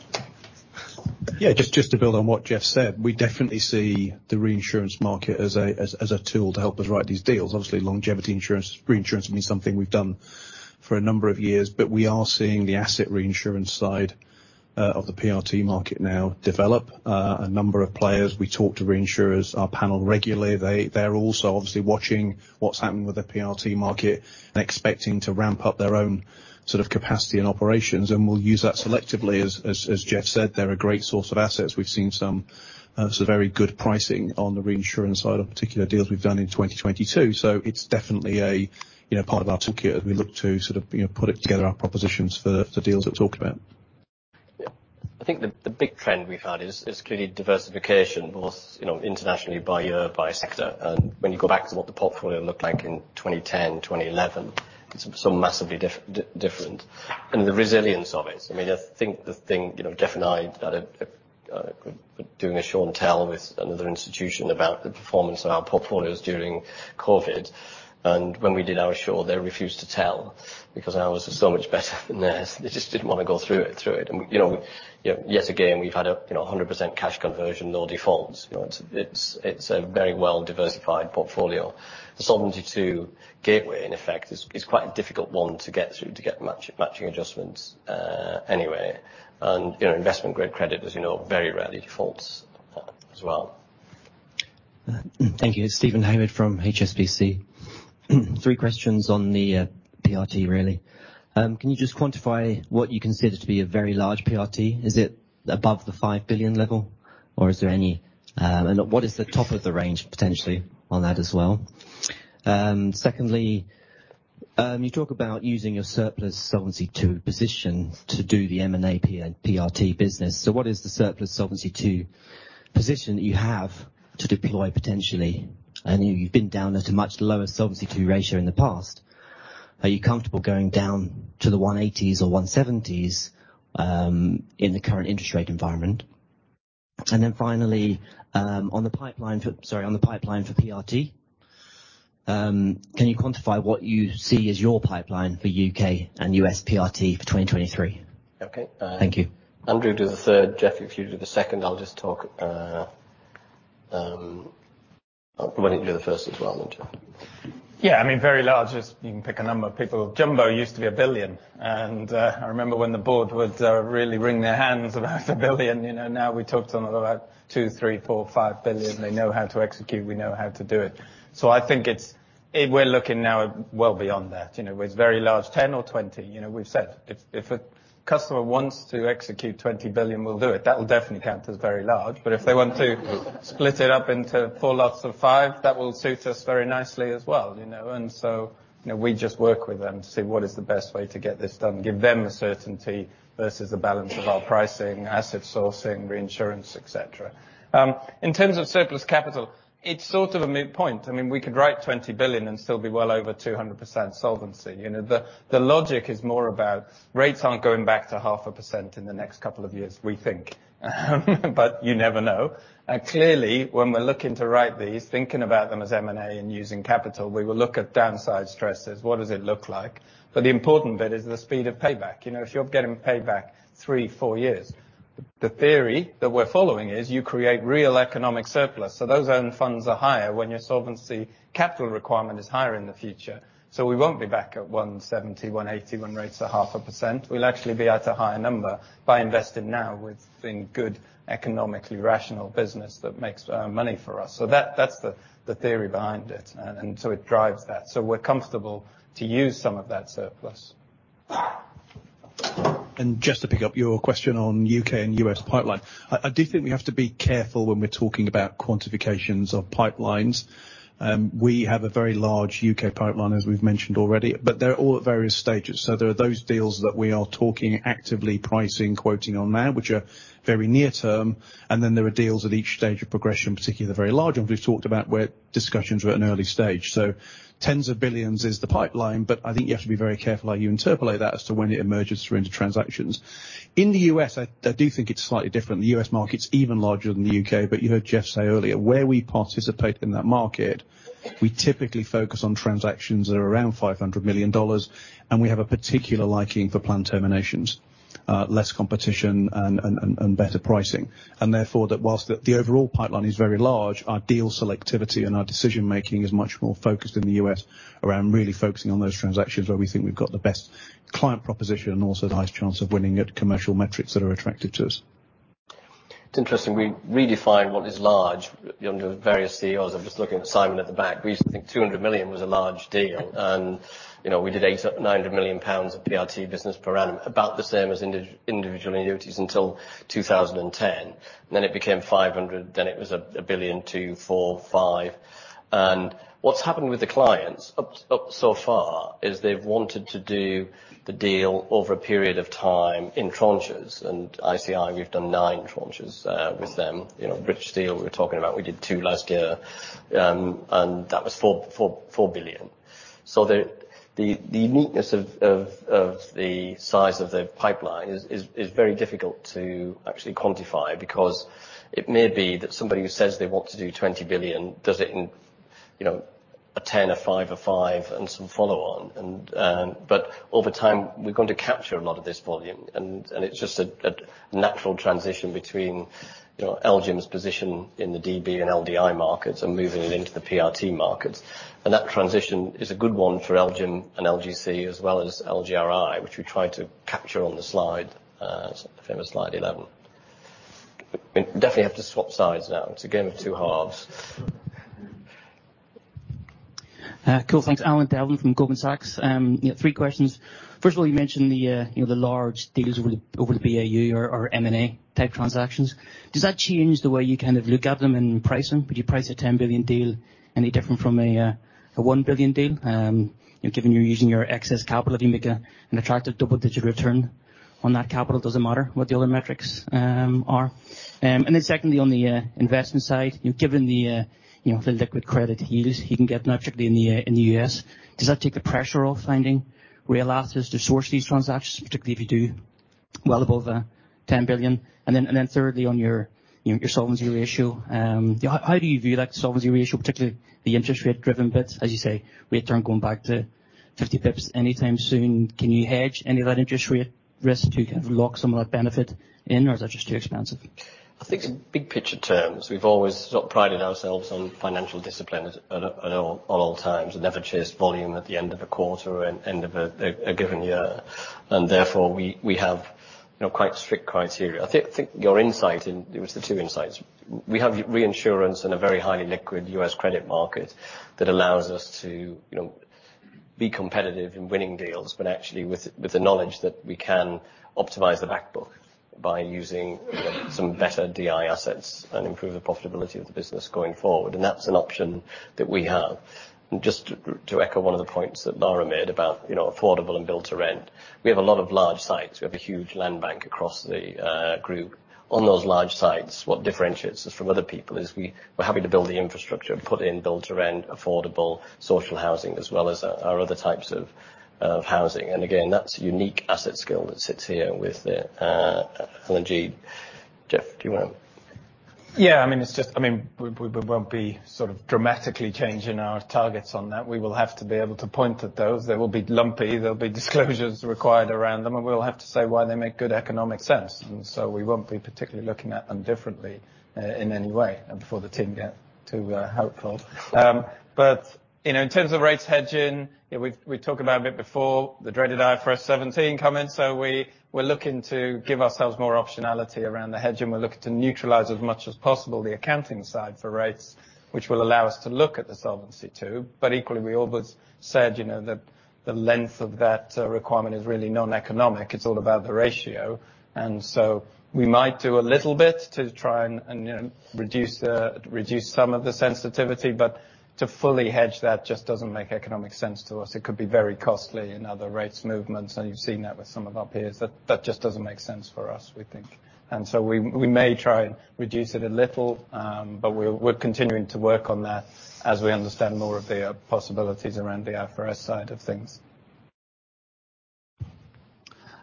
Yeah, just to build on what Jeff said, we definitely see the reinsurance market as a tool to help us write these deals. Obviously, longevity insurance, reinsurance means something we've done for a number of years, but we are seeing the asset reinsurance side of the PRT market now develop. A number of players, we talk to reinsurers, our panel regularly. They're also obviously watching what's happening with the PRT market and expecting to ramp up their own sort of capacity and operations, and we'll use that selectively as Jeff said, they're a great source of assets. We've seen some sort of very good pricing on the reinsurance side of particular deals we've done in 2022. It's definitely a, you know, part of our toolkit as we look to sort of, you know, put it together our propositions for deals we've talked about. Yeah. I think the big trend we've had is clearly diversification, both, you know, internationally by year, by sector. When you go back to what the portfolio looked like in 2010, 2011, it's so massively different. The resilience of it. I mean, I think the thing, you know, Jeff and I had a, doing a show and tell with another institution about the performance of our portfolios during COVID, and when we did our show, they refused to tell because ours was so much better than theirs. They just didn't wanna go through it. You know, yet again, we've had a, you know, 100% cash conversion, no defaults. You know, it's a very well diversified portfolio. The Solvency II gateway, in effect, is quite a difficult one to get through to get matching adjustments, anyway. You know, investment grade credit, as you know, very rarely defaults, as well. Thank you. Steven Haywood from HSBC. Three questions on the PRT really. Can you just quantify what you consider to be a very large PRT? Is it above the 5 billion level or is there any? What is the top of the range potentially on that as well? Secondly, you talk about using your surplus Solvency II position to do the M&A PRT business. What is the surplus Solvency II position that you have to deploy potentially? I know you've been down at a much lower Solvency II ratio in the past. Are you comfortable going down to the 180s or 170s in the current interest rate environment? Finally, on the pipeline for. Sorry. On the pipeline for PRT. Can you quantify what you see as your pipeline for U.K. and U.S. PRT for 2023? Okay. Thank you. Andrew, do the third. Jeff, if you do the second, I'll just talk. Why don't you do the first as well then, Jeff? Yeah, I mean, very large. You can pick a number of people. Jumbo used to be 1 billion. I remember when the board would really wring their hands about 1 billion, you know. Now we talked on about 2 billion, 3 billion, 4 billion, 5 billion. They know how to execute. We know how to do it. I think it's. We're looking now well beyond that, you know. With very large, 10 or 20. You know, we've said if a customer wants to execute 20 billion, we'll do it. That will definitely count as very large. But if they want to split it up into four lots of five, that will suit us very nicely as well, you know? You know, we just work with them to see what is the best way to get this done. Give them the certainty versus the balance of our pricing, asset sourcing, reinsurance, et cetera. In terms of surplus capital, it's sort of a moot point. I mean, we could write 20 billion and still be well over 200% solvency. You know, the logic is more about rates aren't going back to half a percent in the next couple of years, we think. You never know. Clearly, when we're looking to write these, thinking about them as M&A and using capital, we will look at downside stresses. What does it look like? The important bit is the speed of payback. You know, if you're getting paid back three, four years, the theory that we're following is you create real economic surplus. Those own funds are higher when your Solvency Capital Requirement is higher in the future. We won't be back at 170, 180 when rates are half a percent. We'll actually be at a higher number by investing now with being good economically rational business that makes money for us. That, that's the theory behind it. It drives that. We're comfortable to use some of that surplus. Just to pick up your question on U.K. and U.S. pipeline. I do think we have to be careful when we're talking about quantifications of pipelines. We have a very large U.K. pipeline, as we've mentioned already. They're all at various stages. There are those deals that we are talking actively pricing, quoting on now, which are very near term. There are deals at each stage of progression, particularly the very large ones we've talked about, where discussions are at an early stage. Tens of billions is the pipeline, but I think you have to be very careful how you interpolate that as to when it emerges through into transactions. In the U.S., I do think it's slightly different. The U.S. market's even larger than the U.K. You heard Jeff say earlier, where we participate in that market, we typically focus on transactions that are around $500 million, and we have a particular liking for plan terminations. Less competition and better pricing. Therefore, that whilst the overall pipeline is very large, our deal selectivity and our decision making is much more focused in the U.S. around really focusing on those transactions where we think we've got the best client proposition and also the highest chance of winning at commercial metrics that are attractive to us. It's interesting, we redefined what is large under various CEOs. I'm just looking at Simon at the back. We used to think 200 million was a large deal. You know, we did 800 million-900 million pounds of PRT business per annum, about the same as individually annuities until 2010. It became 500 million, then it was 1 billion, 2 billion, 4 billion, 5 billion. What's happened with the clients up so far is they've wanted to do the deal over a period of time in tranches. ICI, we've done nine tranches with them. You know, British Steel, we were talking about, we did two last year. That was 4 billion. The uniqueness of the size of the pipeline is very difficult to actually quantify. It may be that somebody who says they want to do 20 billion, does it in, you know, a 10 billion, a 5 billion, a 5 billion, and some follow on. Over time, we're going to capture a lot of this volume. It's just a natural transition between, you know, LGIM's position in the DB and LDI markets, and moving it into the PRT markets. That transition is a good one for LGIM and LGC, as well as LGRI, which we try to capture on the slide. The famous Slide 11. We definitely have to swap sides now. It's a game of two halves. Cool. Thanks. Alan Devlin from Goldman Sachs. Three questions. First of all, you mentioned the, you know, the large deals over the BAU or M&A type transactions. Does that change the way you kind of look at them and price them? Would you price a 10 billion deal any different from a 1 billion deal? You know, given you're using your excess capital, if you make an attractive double-digit return on that capital, does it matter what the other metrics are? Secondly, on the investment side. You know, given the, you know, the liquid credit you use, you can get now particularly in the U.S., does that take the pressure off finding real assets to source these transactions, particularly if you do well above 10 billion? Then thirdly, on your, you know, your solvency ratio. How do you view, like, the solvency ratio, particularly the interest rate driven bits? As you say, we aren't going back to 50 basis points anytime soon. Can you hedge any of that interest rate risk to kind of lock some of that benefit in, or is that just too expensive? I think in big picture terms, we've always prided ourselves on financial discipline at all times, and never chased volume at the end of a quarter or end of a given year. Therefore, we have, you know, quite strict criteria. I think your insight. It was the two insights. We have reinsurance and a very highly liquid U.S. credit market that allows us to, you know, be competitive in winning deals, but actually with the knowledge that we can optimize the back book by using some better DI assets and improve the profitability of the business going forward. That's an option that we have. Just to echo one of the points that Laura made about, you know, affordable and build to rent. We have a lot of large sites. We have a huge land bank across the group. On those large sites, what differentiates us from other people is we're happy to build the infrastructure, put in build to rent, affordable social housing, as well as our other types of housing. Again, that's a unique asset skill that sits here with the L&G. Jeff, do you wanna? I mean, it's just, I mean, we won't be sort of dramatically changing our targets on that. We will have to be able to point at those. They will be lumpy, there'll be disclosures required around them, and we'll have to say why they make good economic sense. So we won't be particularly looking at them differently, in any way and before the team get too hopeful. You know, in terms of rates hedging, we've talked about a bit before the dreaded IFRS 17 coming. We're looking to give ourselves more optionality around the hedging. We're looking to neutralize as much as possible the accounting side for rates, which will allow us to look at the Solvency II. Equally, we always said, you know, that the length of that requirement is really non-economic. It's all about the ratio. We might do a little bit to try and, you know, reduce some of the sensitivity. To fully hedge that just doesn't make economic sense to us. It could be very costly in other rates movements, and you've seen that with some of our peers. That just doesn't make sense for us, we think. We may try and reduce it a little, but we're continuing to work on that as we understand more of the possibilities around the IFRS side of things.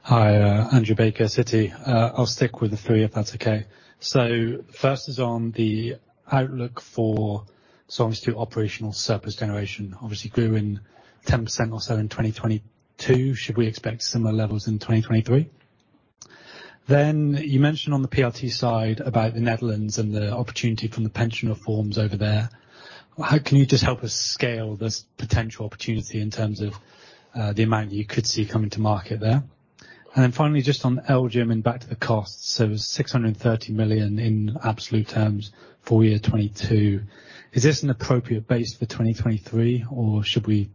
Hi, Andrew Baker, Citi. I'll stick with the three, if that's okay. First is on the outlook for Solvency II operational surplus generation. Obviously grew in 10% or so in 2022. Should we expect similar levels in 2023? You mentioned on the PRT side about the Netherlands and the opportunity from the pension reforms over there. Can you just help us scale this potential opportunity in terms of the amount that you could see coming to market there? Finally, just on LGIM and back to the costs. It was 630 million in absolute terms full year 2022. Is this an appropriate base for 2023, or should we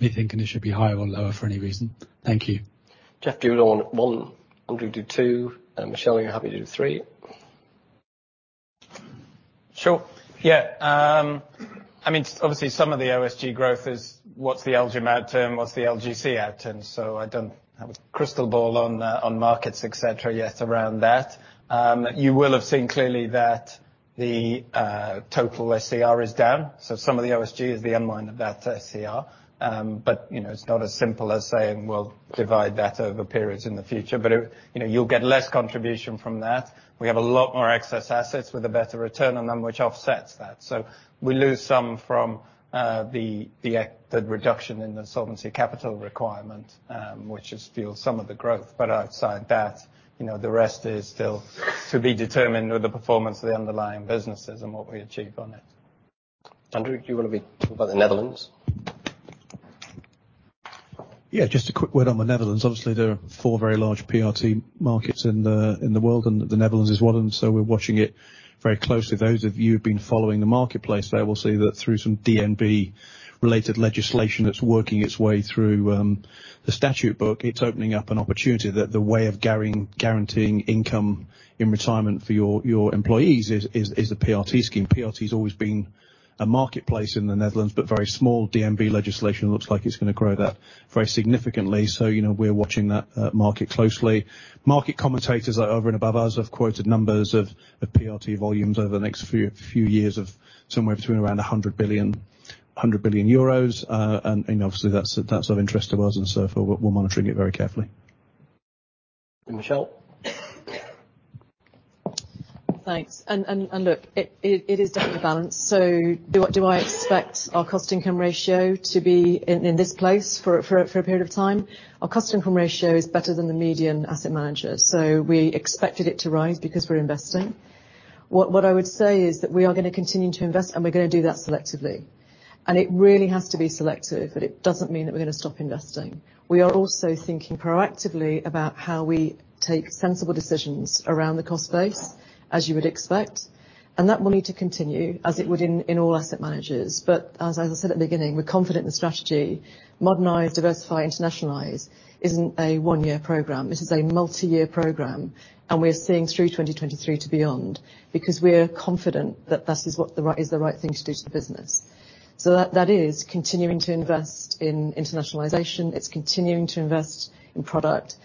be thinking it should be higher or lower for any reason? Thank you. Jeff on one, Andrew do two, and Michelle, you're happy to do three. Sure. Yeah. I mean, obviously some of the OSG growth is what's the LGIM outturn, what's the LGC outturn? I don't have a crystal ball on markets, et cetera, yet around that. You will have seen clearly that the total SCR is down. Some of the OSG is the unwind of that SCR. You know, it's not as simple as saying we'll divide that over periods in the future. You know, you'll get less contribution from that. We have a lot more excess assets with a better return on them, which offsets that. We lose some from the reduction in the Solvency Capital Requirement, which is still some of the growth. Outside that, you know, the rest is still to be determined with the performance of the underlying businesses and what we achieve on it. Andrew, do you wanna talk about the Netherlands? Just a quick word on the Netherlands. Obviously, there are four very large PRT markets in the world, and the Netherlands is one of them, so we're watching it very closely. Those of you who've been following the marketplace there will see that through some DNB-related legislation that's working its way through the statute book, it's opening up an opportunity that the way of guaranteeing income in retirement for your employees is a PRT scheme. PRT's always been a marketplace in the Netherlands, but very small DNB legislation looks like it's going to grow that very significantly. You know, we're watching that market closely. Market commentators over and above us have quoted numbers of PRT volumes over the next few years of somewhere between around 100 billion euros, 100 billion euros. Obviously that's of interest to us. We're monitoring it very carefully. Michelle. Thanks. Look, it is definitely a balance. Do I expect our cost income ratio to be in this place for a period of time? Our cost income ratio is better than the median asset manager. We expected it to rise because we're investing. What I would say is that we are gonna continue to invest, and we're gonna do that selectively. It really has to be selective, but it doesn't mean that we're gonna stop investing. We are also thinking proactively about how we take sensible decisions around the cost base, as you would expect, and that will need to continue as it would in all asset managers. As I said at the beginning, we're confident the strategy, modernize, diversify, internationalize isn't a one-year program. It is a multi-year program, and we are seeing through 2023 to beyond because we are confident that that is what is the right thing to do to the business. That is continuing to invest in internationalization, it's continuing to invest in product.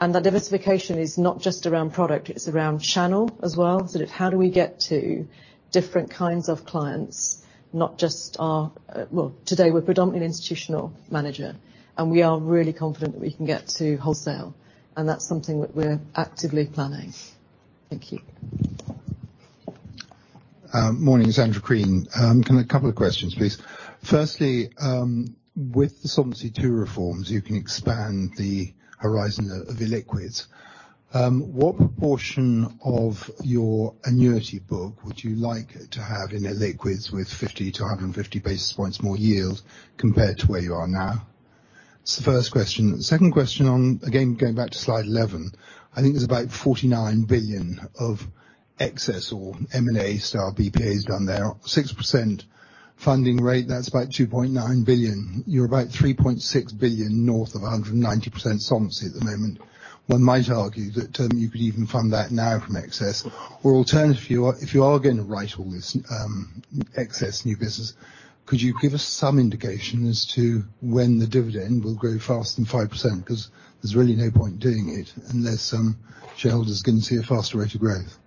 That diversification is not just around product, it's around channel as well. Sort of how do we get to different kinds of clients, well, today we're predominantly institutional manager, and we are really confident that we can get to wholesale, and that's something that we're actively planning. Thank you. Morning. It's Andrew Green. A couple of questions, please. Firstly, with the Solvency II reforms, you can expand the horizon of illiquids. What proportion of your annuity book would you like to have in illiquids with 50-150 basis points more yield compared to where you are now? It's the first question. Second question on, again, going back to Slide 11. I think there's about 49 billion of excess or M&A style BPAs down there. 6% funding rate, that's about 2.9 billion. You're about 3.6 billion north of 190% solvency at the moment. One might argue that you could even fund that now from excess. Alternatively, if you are gonna write all this excess new business, could you give us some indication as to when the dividend will grow faster than 5%? There's really no point doing it unless shareholders are gonna see a faster rate of growth.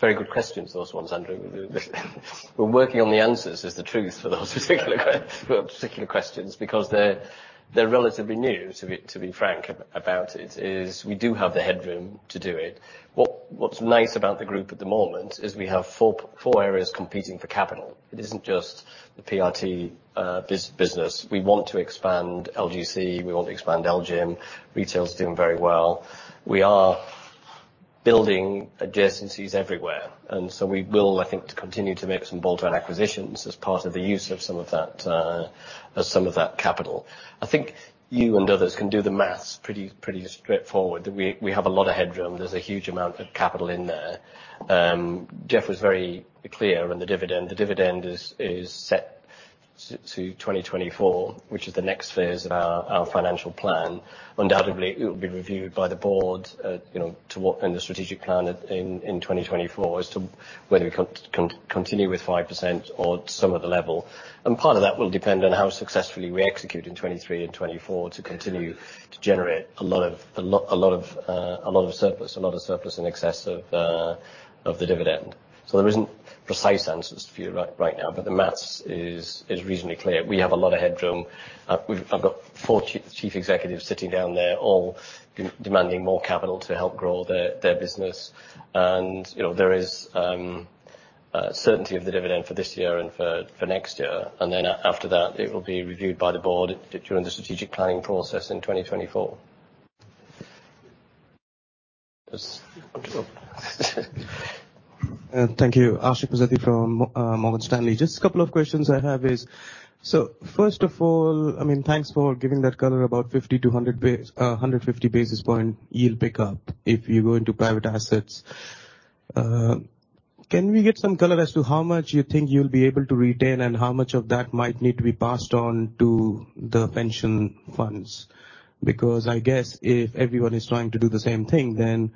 Very good questions, those ones, Andrew. We're working on the answers is the truth for those particular questions because they're relatively new to be, to be frank about it is we do have the headroom to do it. What's nice about the group at the moment is we have four areas competing for capital. It isn't just the PRT business. We want to expand LGC, we want to expand LGIM. Retail is doing very well. We are building adjacencies everywhere. We will, I think, continue to make some bolt-on acquisitions as part of the use of some of that capital. I think you and others can do the math pretty straightforward that we have a lot of headroom. There's a huge amount of capital in there. Jeff was very clear on the dividend. The dividend is set to 2024, which is the next phase of our financial plan. Undoubtedly it will be reviewed by the board, you know, to what. The strategic plan in 2024 as to whether we continue with 5% or some other level. Part of that will depend on how successfully we execute in 2023 and 2024 to continue to generate a lot of surplus in excess of the dividend. There isn't precise answers for you right now, but the math is reasonably clear. We have a lot of headroom. We've, I've got four chief executives sitting down there, all demanding more capital to help grow their business and, you know, there is certainty of the dividend for this year and for next year, and then after that, it will be reviewed by the board during the strategic planning process in 2024. Yes. Want to go? Thank you. Ashik Musaddi from Morgan Stanley. Just a couple of questions I have is, first of all, I mean, thanks for giving that color about 50-150 basis point yield pickup if you go into private assets. Can we get some color as to how much you think you'll be able to retain and how much of that might need to be passed on to the pension funds? Because I guess if everyone is trying to do the same thing, then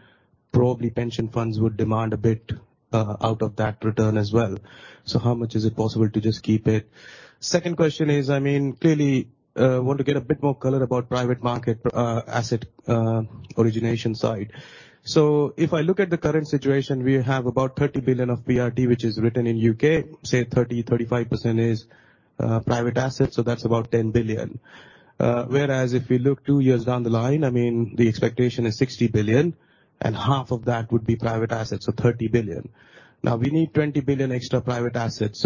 probably pension funds would demand a bit out of that return as well. How much is it possible to just keep it? Second question is, I mean, clearly, want to get a bit more color about private market, asset, origination side. If I look at the current situation, we have about 30 billion of PRT, which is written in U.K. Say 30%-35% is private assets, so that's about 10 billion. Whereas if we look two years down the line, I mean, the expectation is 60 billion, and half of that would be private assets, so 30 billion. We need 20 billion extra private assets.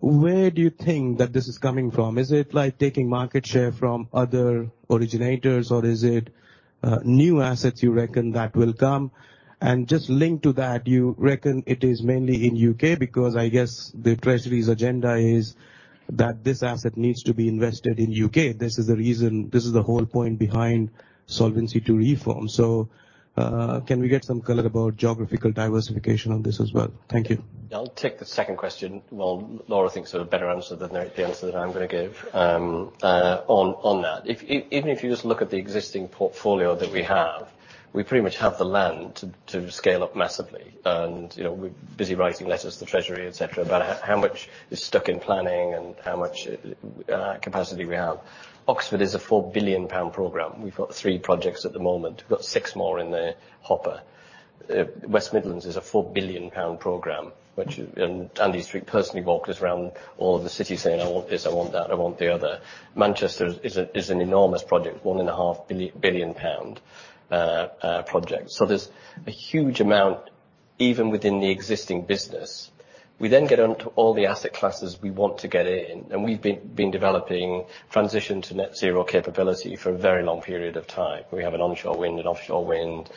Where do you think that this is coming from? Is it like taking market share from other originators, or is it new assets you reckon that will come? Just linked to that, you reckon it is mainly in U.K. because I guess the Treasury's agenda is that this asset needs to be invested in U.K. This is the reason, this is the whole point behind Solvency II reform. Can we get some color about geographical diversification on this as well? Thank you. I'll take the second question, while Laura thinks of a better answer than the answer that I'm gonna give on that. Even if you just look at the existing portfolio that we have, we pretty much have the land to scale up massively. You know, we're busy writing letters to the Treasury, et cetera, about how much is stuck in planning and how much capacity we have. Oxford is a 4 billion pound program. We've got three projects at the moment. We've got six more in the hopper. West Midlands is a 4 billion pound program, which Andy Street personally walked us around all of the cities saying, "I want this, I want that, I want the other." Manchester is an enormous project, 1.5 billion pound project. There's a huge amount, even within the existing business. We get onto all the asset classes we want to get in, and we've been developing transition to net zero capability for a very long period of time. We have an onshore wind and offshore wind,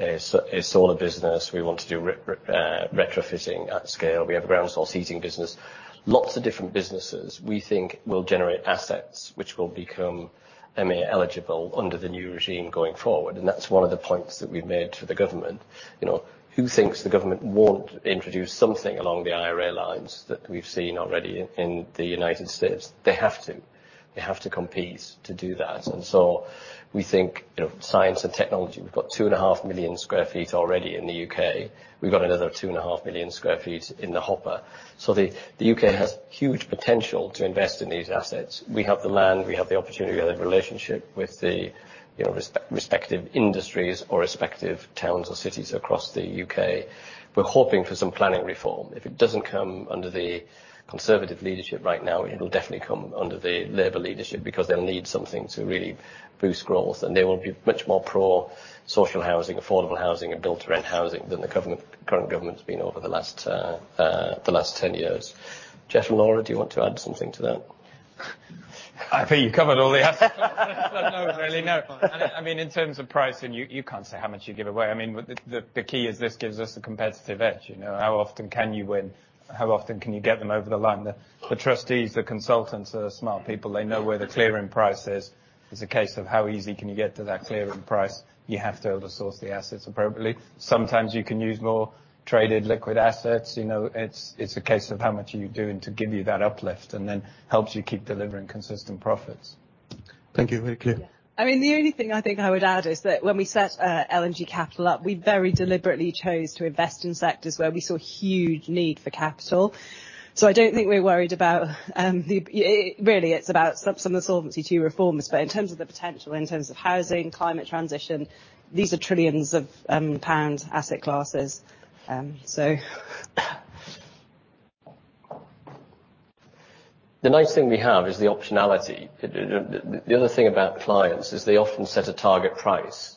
a solar business. We want to do retrofitting at scale. We have a ground source heating business. Lots of different businesses we think will generate assets which will become MA eligible under the new regime going forward, and that's one of the points that we've made to the government. You know, who thinks the government won't introduce something along the IRA lines that we've seen already in the United States? They have to. They have to compete to do that. We think, you know, science and technology, we've got 2.5 million sq ft already in the U.K. We've got another 2.5 million sq ft in the hopper. The U.K. has huge potential to invest in these assets. We have the land, we have the opportunity, we have the relationship with the, you know, respective industries or respective towns or cities across the U.K. We're hoping for some planning reform. If it doesn't come under the Conservative leadership right now, it'll definitely come under the Labour leadership because they'll need something to really boost growth, and they will be much more pro social housing, affordable housing, and build to rent housing than the current government's been over the last 10 years. Jeff and Laura, do you want to add something to that? I think you covered all the asset classes. No, really, no. I mean, in terms of pricing, you can't say how much you give away. I mean, the key is this gives us a competitive edge. You know, how often can you win? How often can you get them over the line? The trustees, the consultants are smart people. They know where the clearing price is. It's a case of how easy can you get to that clearing price. You have to source the assets appropriately. Sometimes you can use more traded liquid assets. You know, it's a case of how much are you doing to give you that uplift, and then helps you keep delivering consistent profits. Thank you. Very clear. Yeah. I mean, the only thing I think I would add is that when we set L&G Capital up, we very deliberately chose to invest in sectors where we saw huge need for capital. I don't think we're worried about the. Really, it's about some of the Solvency II reforms, but in terms of the potential, in terms of housing, climate transition, these are trillions of pounds asset classes. The nice thing we have is the optionality. The other thing about clients is they often set a target price.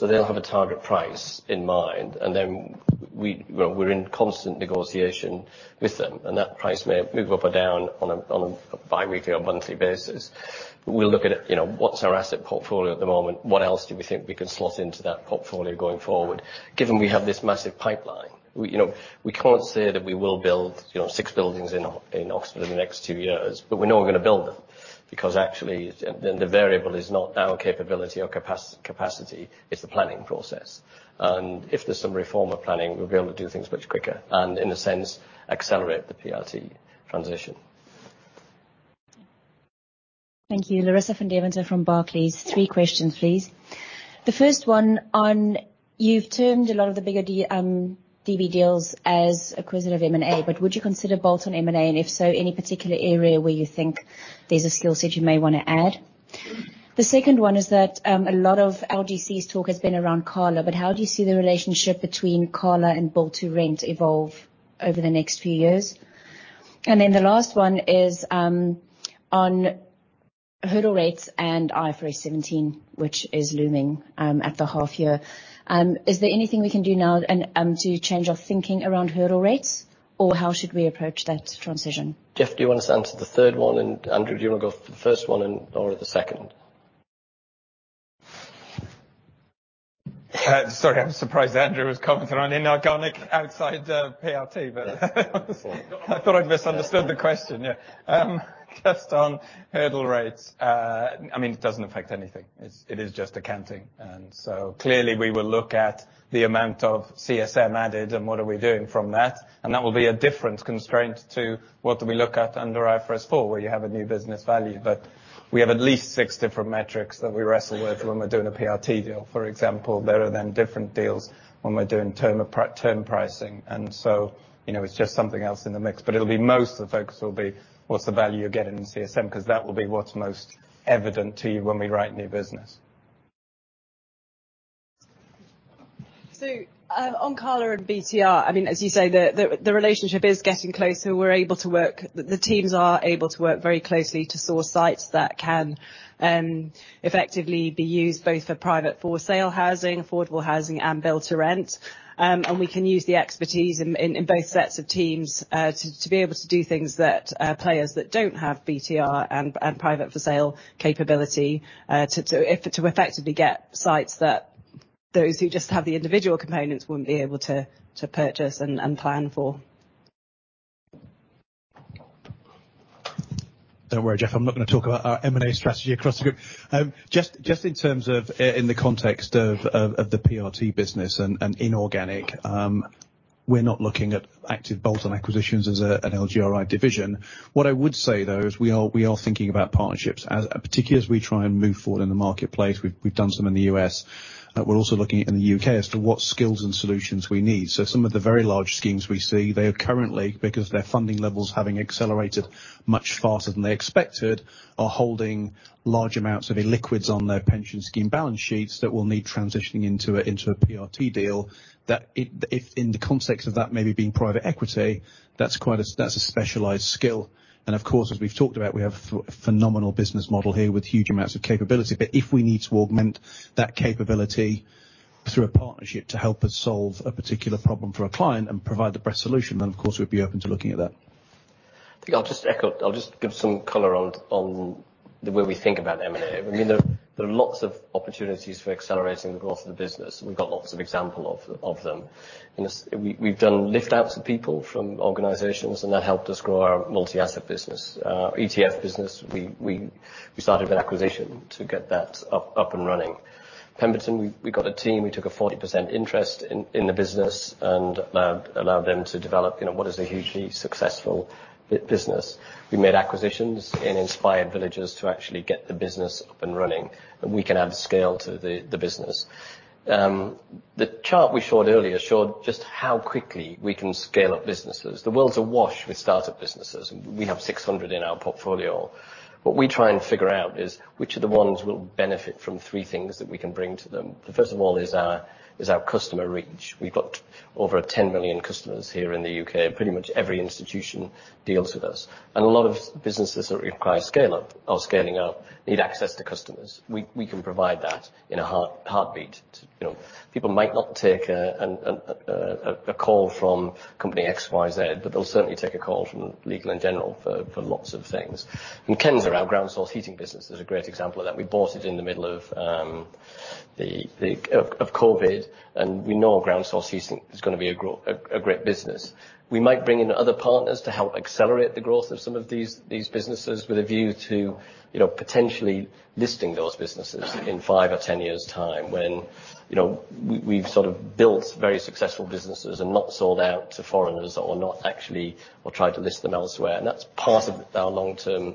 Right. They'll have a target price in mind, and then we, well, we're in constant negotiation with them, and that price may move up or down on a bi-weekly or monthly basis. We'll look at, you know, what's our asset portfolio at the moment? What else do we think we can slot into that portfolio going forward? Given we have this massive pipeline, we, you know, we can't say that we will build, you know, six buildings in Oxford in the next two years, but we know we're gonna build them because actually, then the variable is not our capability or capacity, it's the planning process. If there's some reform of planning, we'll be able to do things much quicker and, in a sense, accelerate the PRT transition. Thank you. Larissa van Deventer from Barclays. Three questions, please. The first one on, you've termed a lot of the bigger DB deals as acquisitive M&A, but would you consider bolt-on M&A? If so, any particular area where you think there's a skill set you may wanna add? The second one is that, a lot of LGC's talk has been around Cala, but how do you see the relationship between Cala and Build to Rent evolve over the next few years? The last one is on hurdle rates and IFRS 17, which is looming at the half year. Is there anything we can do now and to change our thinking around hurdle rates? How should we approach that transition? Jeff, do you wanna answer the third one? Andrew, do you wanna go the first one and Laura, the second? Sorry, I'm surprised Andrew is commenting on inorganic outside, PRT, but. Yes. I thought I'd misunderstood the question, yeah. Just on hurdle rates, I mean, it doesn't affect anything. It is just accounting. Clearly we will look at the amount of CSM added and what are we doing from that, and that will be a different constraint to what do we look at under IFRS 4 where you have a new business value. We have at least six different metrics that we wrestle with when we're doing a PRT deal. For example, there are then different deals when we're doing term pricing, you know, it's just something else in the mix. It'll be, most of the focus will be what's the value you're getting in CSM, 'cause that will be what's most evident to you when we write new business. On Cala and BTR, I mean, as you say, the relationship is getting closer. The teams are able to work very closely to source sites that can effectively be used both for private for sale housing, affordable housing, and Build to Rent. We can use the expertise in both sets of teams to be able to do things that players that don't have BTR and private for sale capability to effectively get sites that those who just have the individual components wouldn't be able to purchase and plan for. Don't worry, Jeff, I'm not gonna talk about our M&A strategy across the group. Just in terms of, in the context of the PRT business and inorganic, we're not looking at active bolt-on acquisitions as an LGRI division. What I would say though is we are thinking about partnerships, as particularly as we try and move forward in the marketplace. We've done some in the U.S., we're also looking in the U.K. as to what skills and solutions we need. Some of the very large schemes we see, they are currently, because their funding levels having accelerated much faster than they expected, are holding large amounts of illiquids on their pension scheme balance sheets that will need transitioning into a PRT deal. That it, if in the context of that maybe being private equity, that's quite a, that's a specialized skill. Of course, as we've talked about, we have phenomenal business model here with huge amounts of capability. If we need to augment that capability through a partnership to help us solve a particular problem for a client and provide the best solution, then of course we'd be open to looking at that. I think I'll just echo. I'll just give some color on the way we think about M&A. I mean, there are lots of opportunities for accelerating the growth of the business. We've got lots of example of them. We've done lift outs of people from organizations, and that helped us grow our multi-asset business. ETF business, we started an acquisition to get that up and running. Pemberton, we got a team, we took a 40% interest in the business and allowed them to develop, you know, what is a hugely successful business. We made acquisitions in Inspired Villages to actually get the business up and running, and we can add scale to the business. The chart we showed earlier showed just how quickly we can scale up businesses. The world's awash with startup businesses. We have 600 in our portfolio. What we try and figure out is which of the ones will benefit from three things that we can bring to them. The first of all is our customer reach. We've got over 10 million customers here in the U.K., and pretty much every institution deals with us. A lot of businesses that require scale up or scaling up need access to customers. We can provide that in a heartbeat. You know, people might not take a call from company X, Y, Z, but they'll certainly take a call from Legal & General for lots of things. Kensa, our ground source heating business, is a great example of that. We bought it in the middle of the, of COVID, and we know ground source heating is gonna be a great business. We might bring in other partners to help accelerate the growth of some of these businesses with a view to, you know, potentially listing those businesses in five or 10 years' time when, you know, we've sort of built very successful businesses and not sold out to foreigners or not actually, or tried to list them elsewhere, and that's part of our long-term,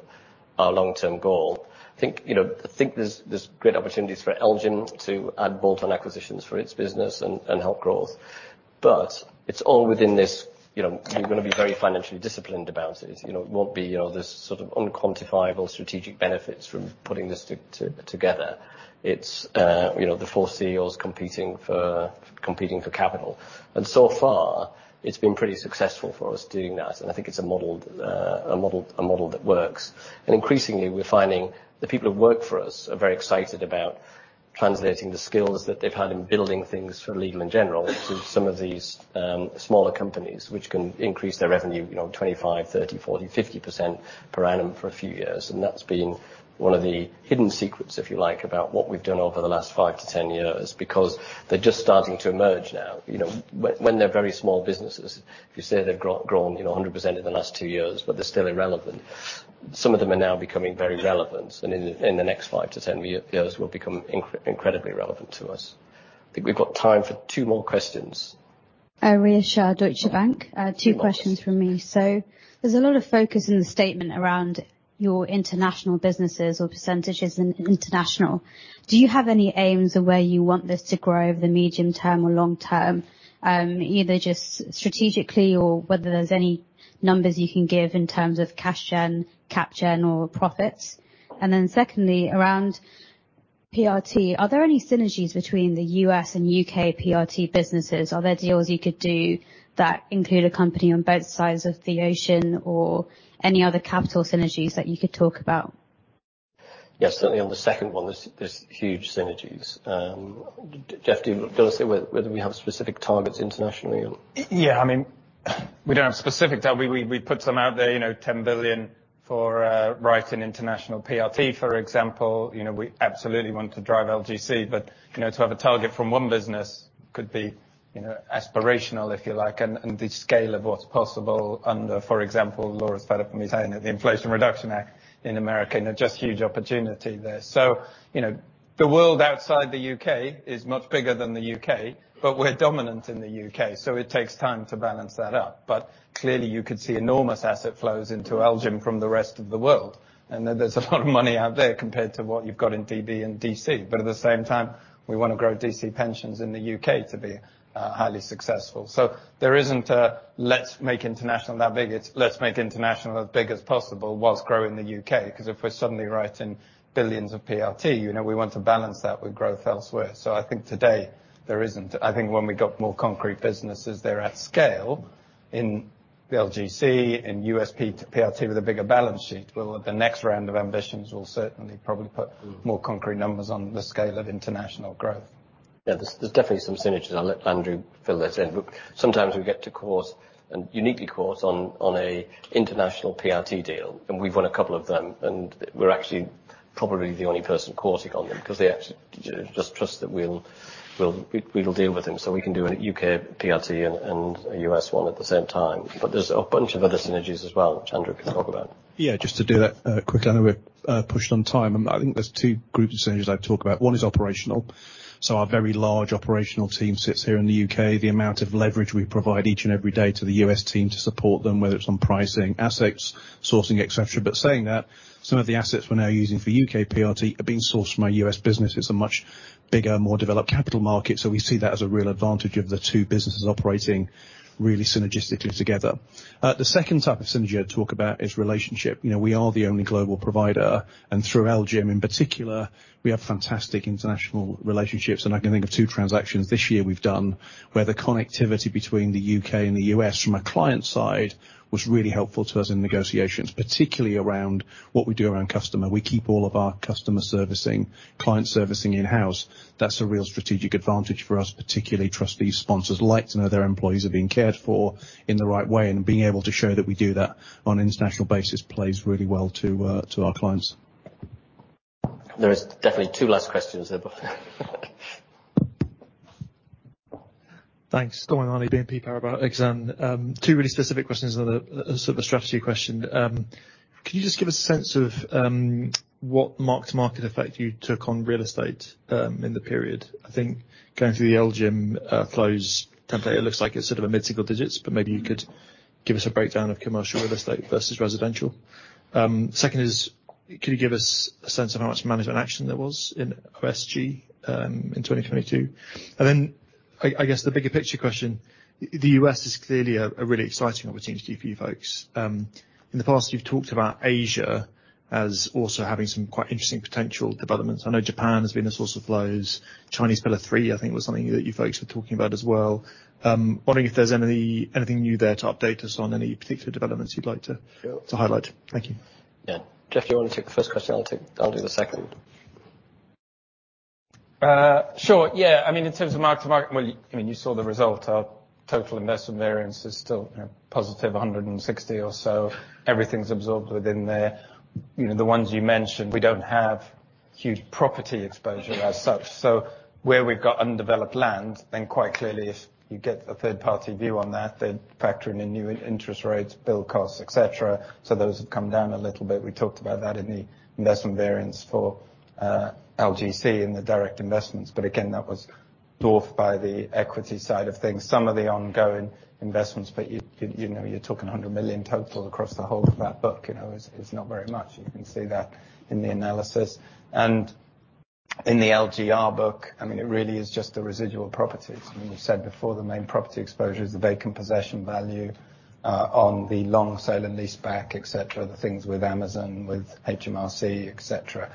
our long-term goal. I think, you know, I think there's great opportunities for L&G to add bolt-on acquisitions for its business and help growth, but it's all within this, you know, we're gonna be very financially disciplined about it. It, you know, it won't be, you know, this sort of unquantifiable strategic benefits from putting this together. It's, you know, the four CEOs competing for capital. And so far it's been pretty successful for us doing that, and I think it's a model that works. And increasingly, we're finding the people who work for us are very excited about translating the skills that they've had in building things for Legal & General to some of these smaller companies which can increase their revenue, you know, 25%, 30%, 40%, 50% per annum for a few years. And that's been one of the hidden secrets, if you like, about what we've done over the last five to 10 years, because they're just starting to emerge now. You know, when they're very small businesses, if you say they've grown, you know, 100% in the last two years, but they're still irrelevant. Some of them are now becoming very relevant, and in the next five to 10 years will become incredibly relevant to us. I think we've got time for two more questions. Rhea Shah, Deutsche Bank. Hi, Rhea. Two questions from me. There's a lot of focus in the statement around your international businesses or percentages in international. Do you have any aims of where you want this to grow over the medium term or long term, either just strategically or whether there's any numbers you can give in terms of cash gen, cap gen, or profits? Secondly, around PRT, are there any synergies between the U.S. and U.K. PRT businesses? Are there deals you could do that include a company on both sides of the ocean or any other capital synergies that you could talk about? Yes, certainly on the second one, there's huge synergies. Jeff, do you wanna say whether we have specific targets internationally or? Yeah, I mean, we don't have specific target. We put some out there, you know, 10 billion for writing international PRT, for example. You know, we absolutely want to drive LGC, but, you know, to have a target from one business could be, you know, aspirational, if you like, and the scale of what's possible under, for example, Laura's fed up me saying it, the Inflation Reduction Act in America, you know, just huge opportunity there. You know, the world outside the U.K. is much bigger than the U.K., but we're dominant in the U.K., so it takes time to balance that out. Clearly you could see enormous asset flows into LGIM from the rest of the world, and that there's a lot of money out there compared to what you've got in DB and DC. At the same time, we wanna grow DC pensions in the U.K. to be highly successful. There isn't a let's make international that big. It's let's make international as big as possible whilst growing the U.K., 'cause if we're suddenly writing billions of PRT, you know, we want to balance that with growth elsewhere. I think today there isn't. I think when we've got more concrete businesses there at scale in the LGC, in USP to PRT with a bigger balance sheet. The next round of ambitions will certainly probably. Mm. More concrete numbers on the scale of international growth. Yeah, there's definitely some synergies. I'll let Andrew fill this in. Sometimes we get to course, and uniquely course on a international PRT deal, and we've won a couple of them, and we're actually probably the only person coursing on them 'cause they actually just trust that we'll deal with them so we can do a U.K. PRT and a U.S. one at the same time. There's a bunch of other synergies as well which Andrew can talk about. Yeah, just to do that, quickly. I know we're pushed on time. I think there's two groups of synergies I'd talk about. One is operational. Our very large operational team sits here in the U.K. The amount of leverage we provide each and every day to the U.S. team to support them, whether it's on pricing assets, sourcing, et cetera. Saying that, some of the assets we're now using for U.K. PRT are being sourced from our U.S. business. It's a much bigger, more developed capital market. We see that as a real advantage of the two businesses operating really synergistically together. The second type of synergy I'd talk about is relationship. You know, we are the only global provider, and through LGIM in particular, we have fantastic international relationships, and I can think of two transactions this year we've done where the connectivity between the U.K. and the U.S. from a client side was really helpful to us in negotiations, particularly around what we do around customer. We keep all of our customer servicing, client servicing in-house. That's a real strategic advantage for us, particularly trustee sponsors like to know their employees are being cared for in the right way, and being able to show that we do that on an international basis plays really well to our clients. There is definitely two last questions there, but. Thanks. Dominic, BNP Paribas Exane. Two really specific questions and a sort of a strategy question. Can you just give a sense of what mark to market effect you took on real estate in the period? I think going through the LGIM flows template, it looks like it's sort of a mid-single digits, but maybe you could give us a breakdown of commercial real estate versus residential. Second is, could you give us a sense of how much management action there was in OSG in 2022? Then I guess the bigger picture question, the U.S. is clearly a really exciting opportunity for you folks. In the past, you've talked about Asia as also having some quite interesting potential developments. I know Japan has been a source of flows. Chinese pillar three, I think, was something that you folks were talking about as well. Wondering if there's anything new there to update us on, any particular developments you'd like to. Sure. To highlight. Thank you. Yeah. Jeff, do you wanna take the first question? I'll do the second. Sure, yeah. I mean, in terms of mark to market, well, I mean, you saw the result. Our total investment variance is still, you know, +160 or so. Everything's absorbed within there. You know, the ones you mentioned, we don't have huge property exposure as such. Where we've got undeveloped land, quite clearly, if you get a third-party view on that, they'd factor in the new interest rates, build costs, et cetera. Those have come down a little bit. We talked about that in the investment variance for LGC in the direct investments. Again, that was dwarfed by the equity side of things. Some of the ongoing investments, but you know, you're talking 100 million total across the whole of that book, you know, is not very much. You can see that in the analysis. In the LGR book, I mean, it really is just the residual properties. I mean, we've said before, the main property exposure is the vacant possession value on the long sale and lease back, et cetera, the things with Amazon, with HMRC, et cetera.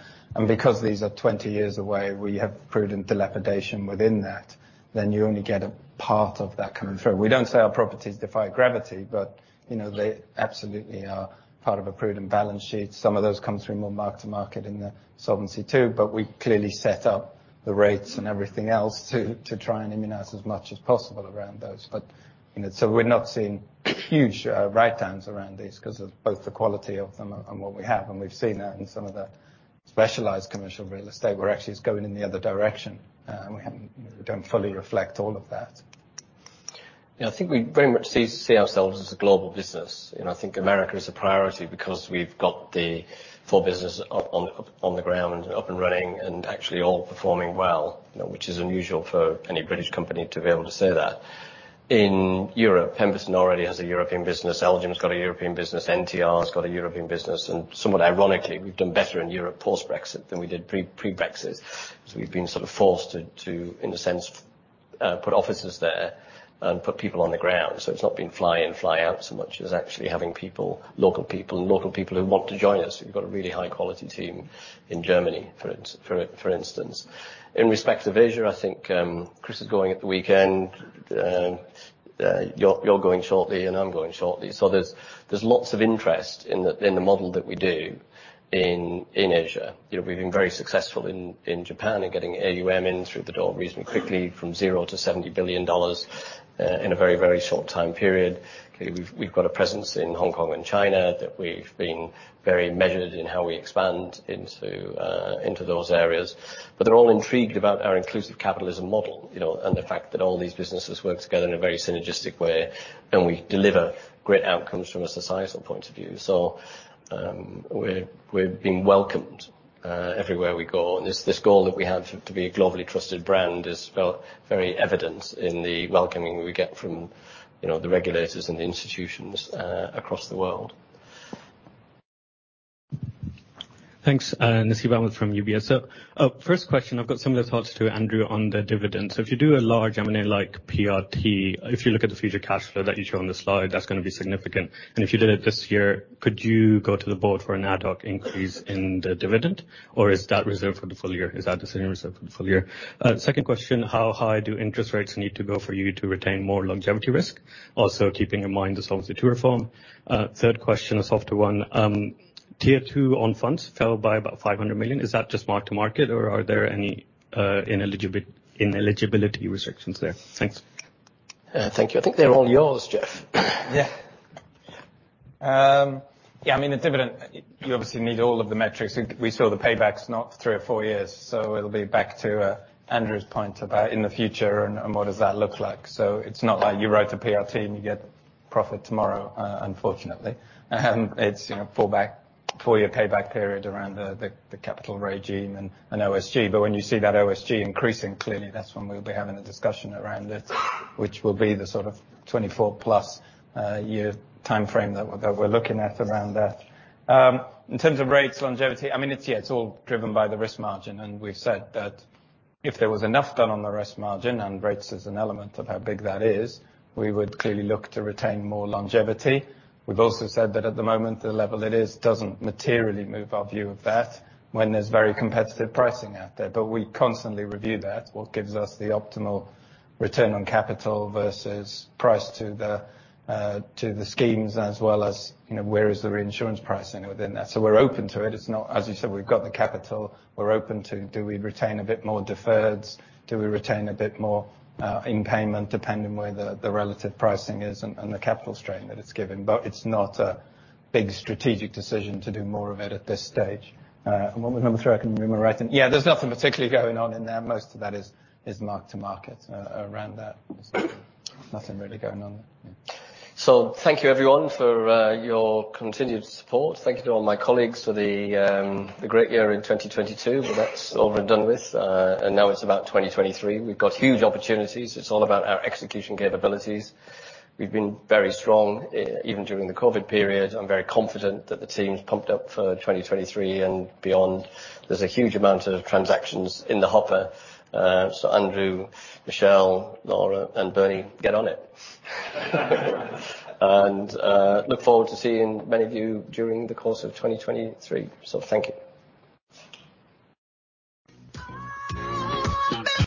Because these are 20 years away, we have prudent dilapidation within that. You only get a part of that coming through. We don't say our properties defy gravity, but, you know, they absolutely are part of a prudent balance sheet. Some of those come through more mark to market in the Solvency II, but we clearly set up the rates and everything else to try and immunize as much as possible around those. You know, we're not seeing huge write-downs around these, because of both the quality of them and what we have. We've seen that in some of the specialized commercial real estate where actually it's going in the other direction. We don't fully reflect all of that. Yeah, I think we very much see ourselves as a global business. I think America is a priority because we've got the full business up, on the, on the ground and up and running and actually all performing well, you know, which is unusual for any British company to be able to say that. In Europe, Pemberton already has a European business. LGIM has got a European business. NTR has got a European business. Somewhat ironically, we've done better in Europe post-Brexit than we did pre-Brexit. We've been sort of forced to, in a sense, put offices there and put people on the ground. It's not been fly in, fly out so much as actually having people, local people, and local people who want to join us. We've got a really high quality team in Germany, for instance. In respect of Asia, I think Chris is going at the weekend. You're going shortly, and I'm going shortly. There's lots of interest in the model that we do in Asia. You know, we've been very successful in Japan in getting AUM in through the door reasonably quickly from zero to $70 billion in a very, very short time period. Okay, we've got a presence in Hong Kong and China that we've been very measured in how we expand into those areas. They're all intrigued about our inclusive capitalism model, you know, and the fact that all these businesses work together in a very synergistic way, and we deliver great outcomes from a societal point of view. We're being welcomed everywhere we go. This goal that we have to be a globally trusted brand is felt very evident in the welcoming we get from, you know, the regulators and the institutions across the world. Thanks. Nasib Ahmed from UBS. First question, I've got similar thoughts to Andrew on the dividend. If you do a large M&A like PRT, if you look at the future cash flow that you show on the slide, that's gonna be significant. If you did it this year, could you go to the board for an ad hoc increase in the dividend? Is that reserved for the full year? Is that decision reserved for the full year? Second question, how high do interest rates need to go for you to retain more longevity risk? Also keeping in mind the Solvency II reform. Third question, a softer one. Tier 2 on funds fell by about 500 million. Is that just mark to market, or are there any ineligibility restrictions there? Thanks. Thank you. I think they're all yours, Jeff. I mean, the dividend, you obviously need all of the metrics. We saw the payback's not three or four years, it'll be back to Andrew's point about in the future and what does that look like. It's not like you wrote to PRT and you get profit tomorrow, unfortunately. It's, you know, fall back, four-year payback period around the capital regime and OSG. When you see that OSG increasing, clearly that's when we'll be having a discussion around it, which will be the sort of 24+ year timeframe that we're looking at around that. In terms of rates, longevity, I mean, it's all driven by the risk margin. We've said that if there was enough done on the risk margin and rates is an element of how big that is, we would clearly look to retain more longevity. We've also said that at the moment, the level it is doesn't materially move our view of that when there's very competitive pricing out there. We constantly review that, what gives us the optimal return on capital versus price to the schemes, as well as, you know, where is the reinsurance pricing within that. We're open to it. It's not. As you said, we've got the capital. We're open to, do we retain a bit more deferreds? Do we retain a bit more in payment, depending where the relative pricing is and the capital strain that it's given? It's not a big strategic decision to do more of it at this stage. On the number three, I can remember right. Yeah, there's nothing particularly going on in there. Most of that is mark to market around that. There's nothing really going on there. Thank you, everyone, for your continued support. Thank you to all my colleagues for the great year in 2022. That's all been done with, and now it's about 2023. We've got huge opportunities. It's all about our execution capabilities. We've been very strong, even during the COVID period. I'm very confident that the team's pumped up for 2023 and beyond. There's a huge amount of transactions in the hopper. Andrew, Michelle, Laura, and Bernie, get on it. Look forward to seeing many of you during the course of 2023. Thank you.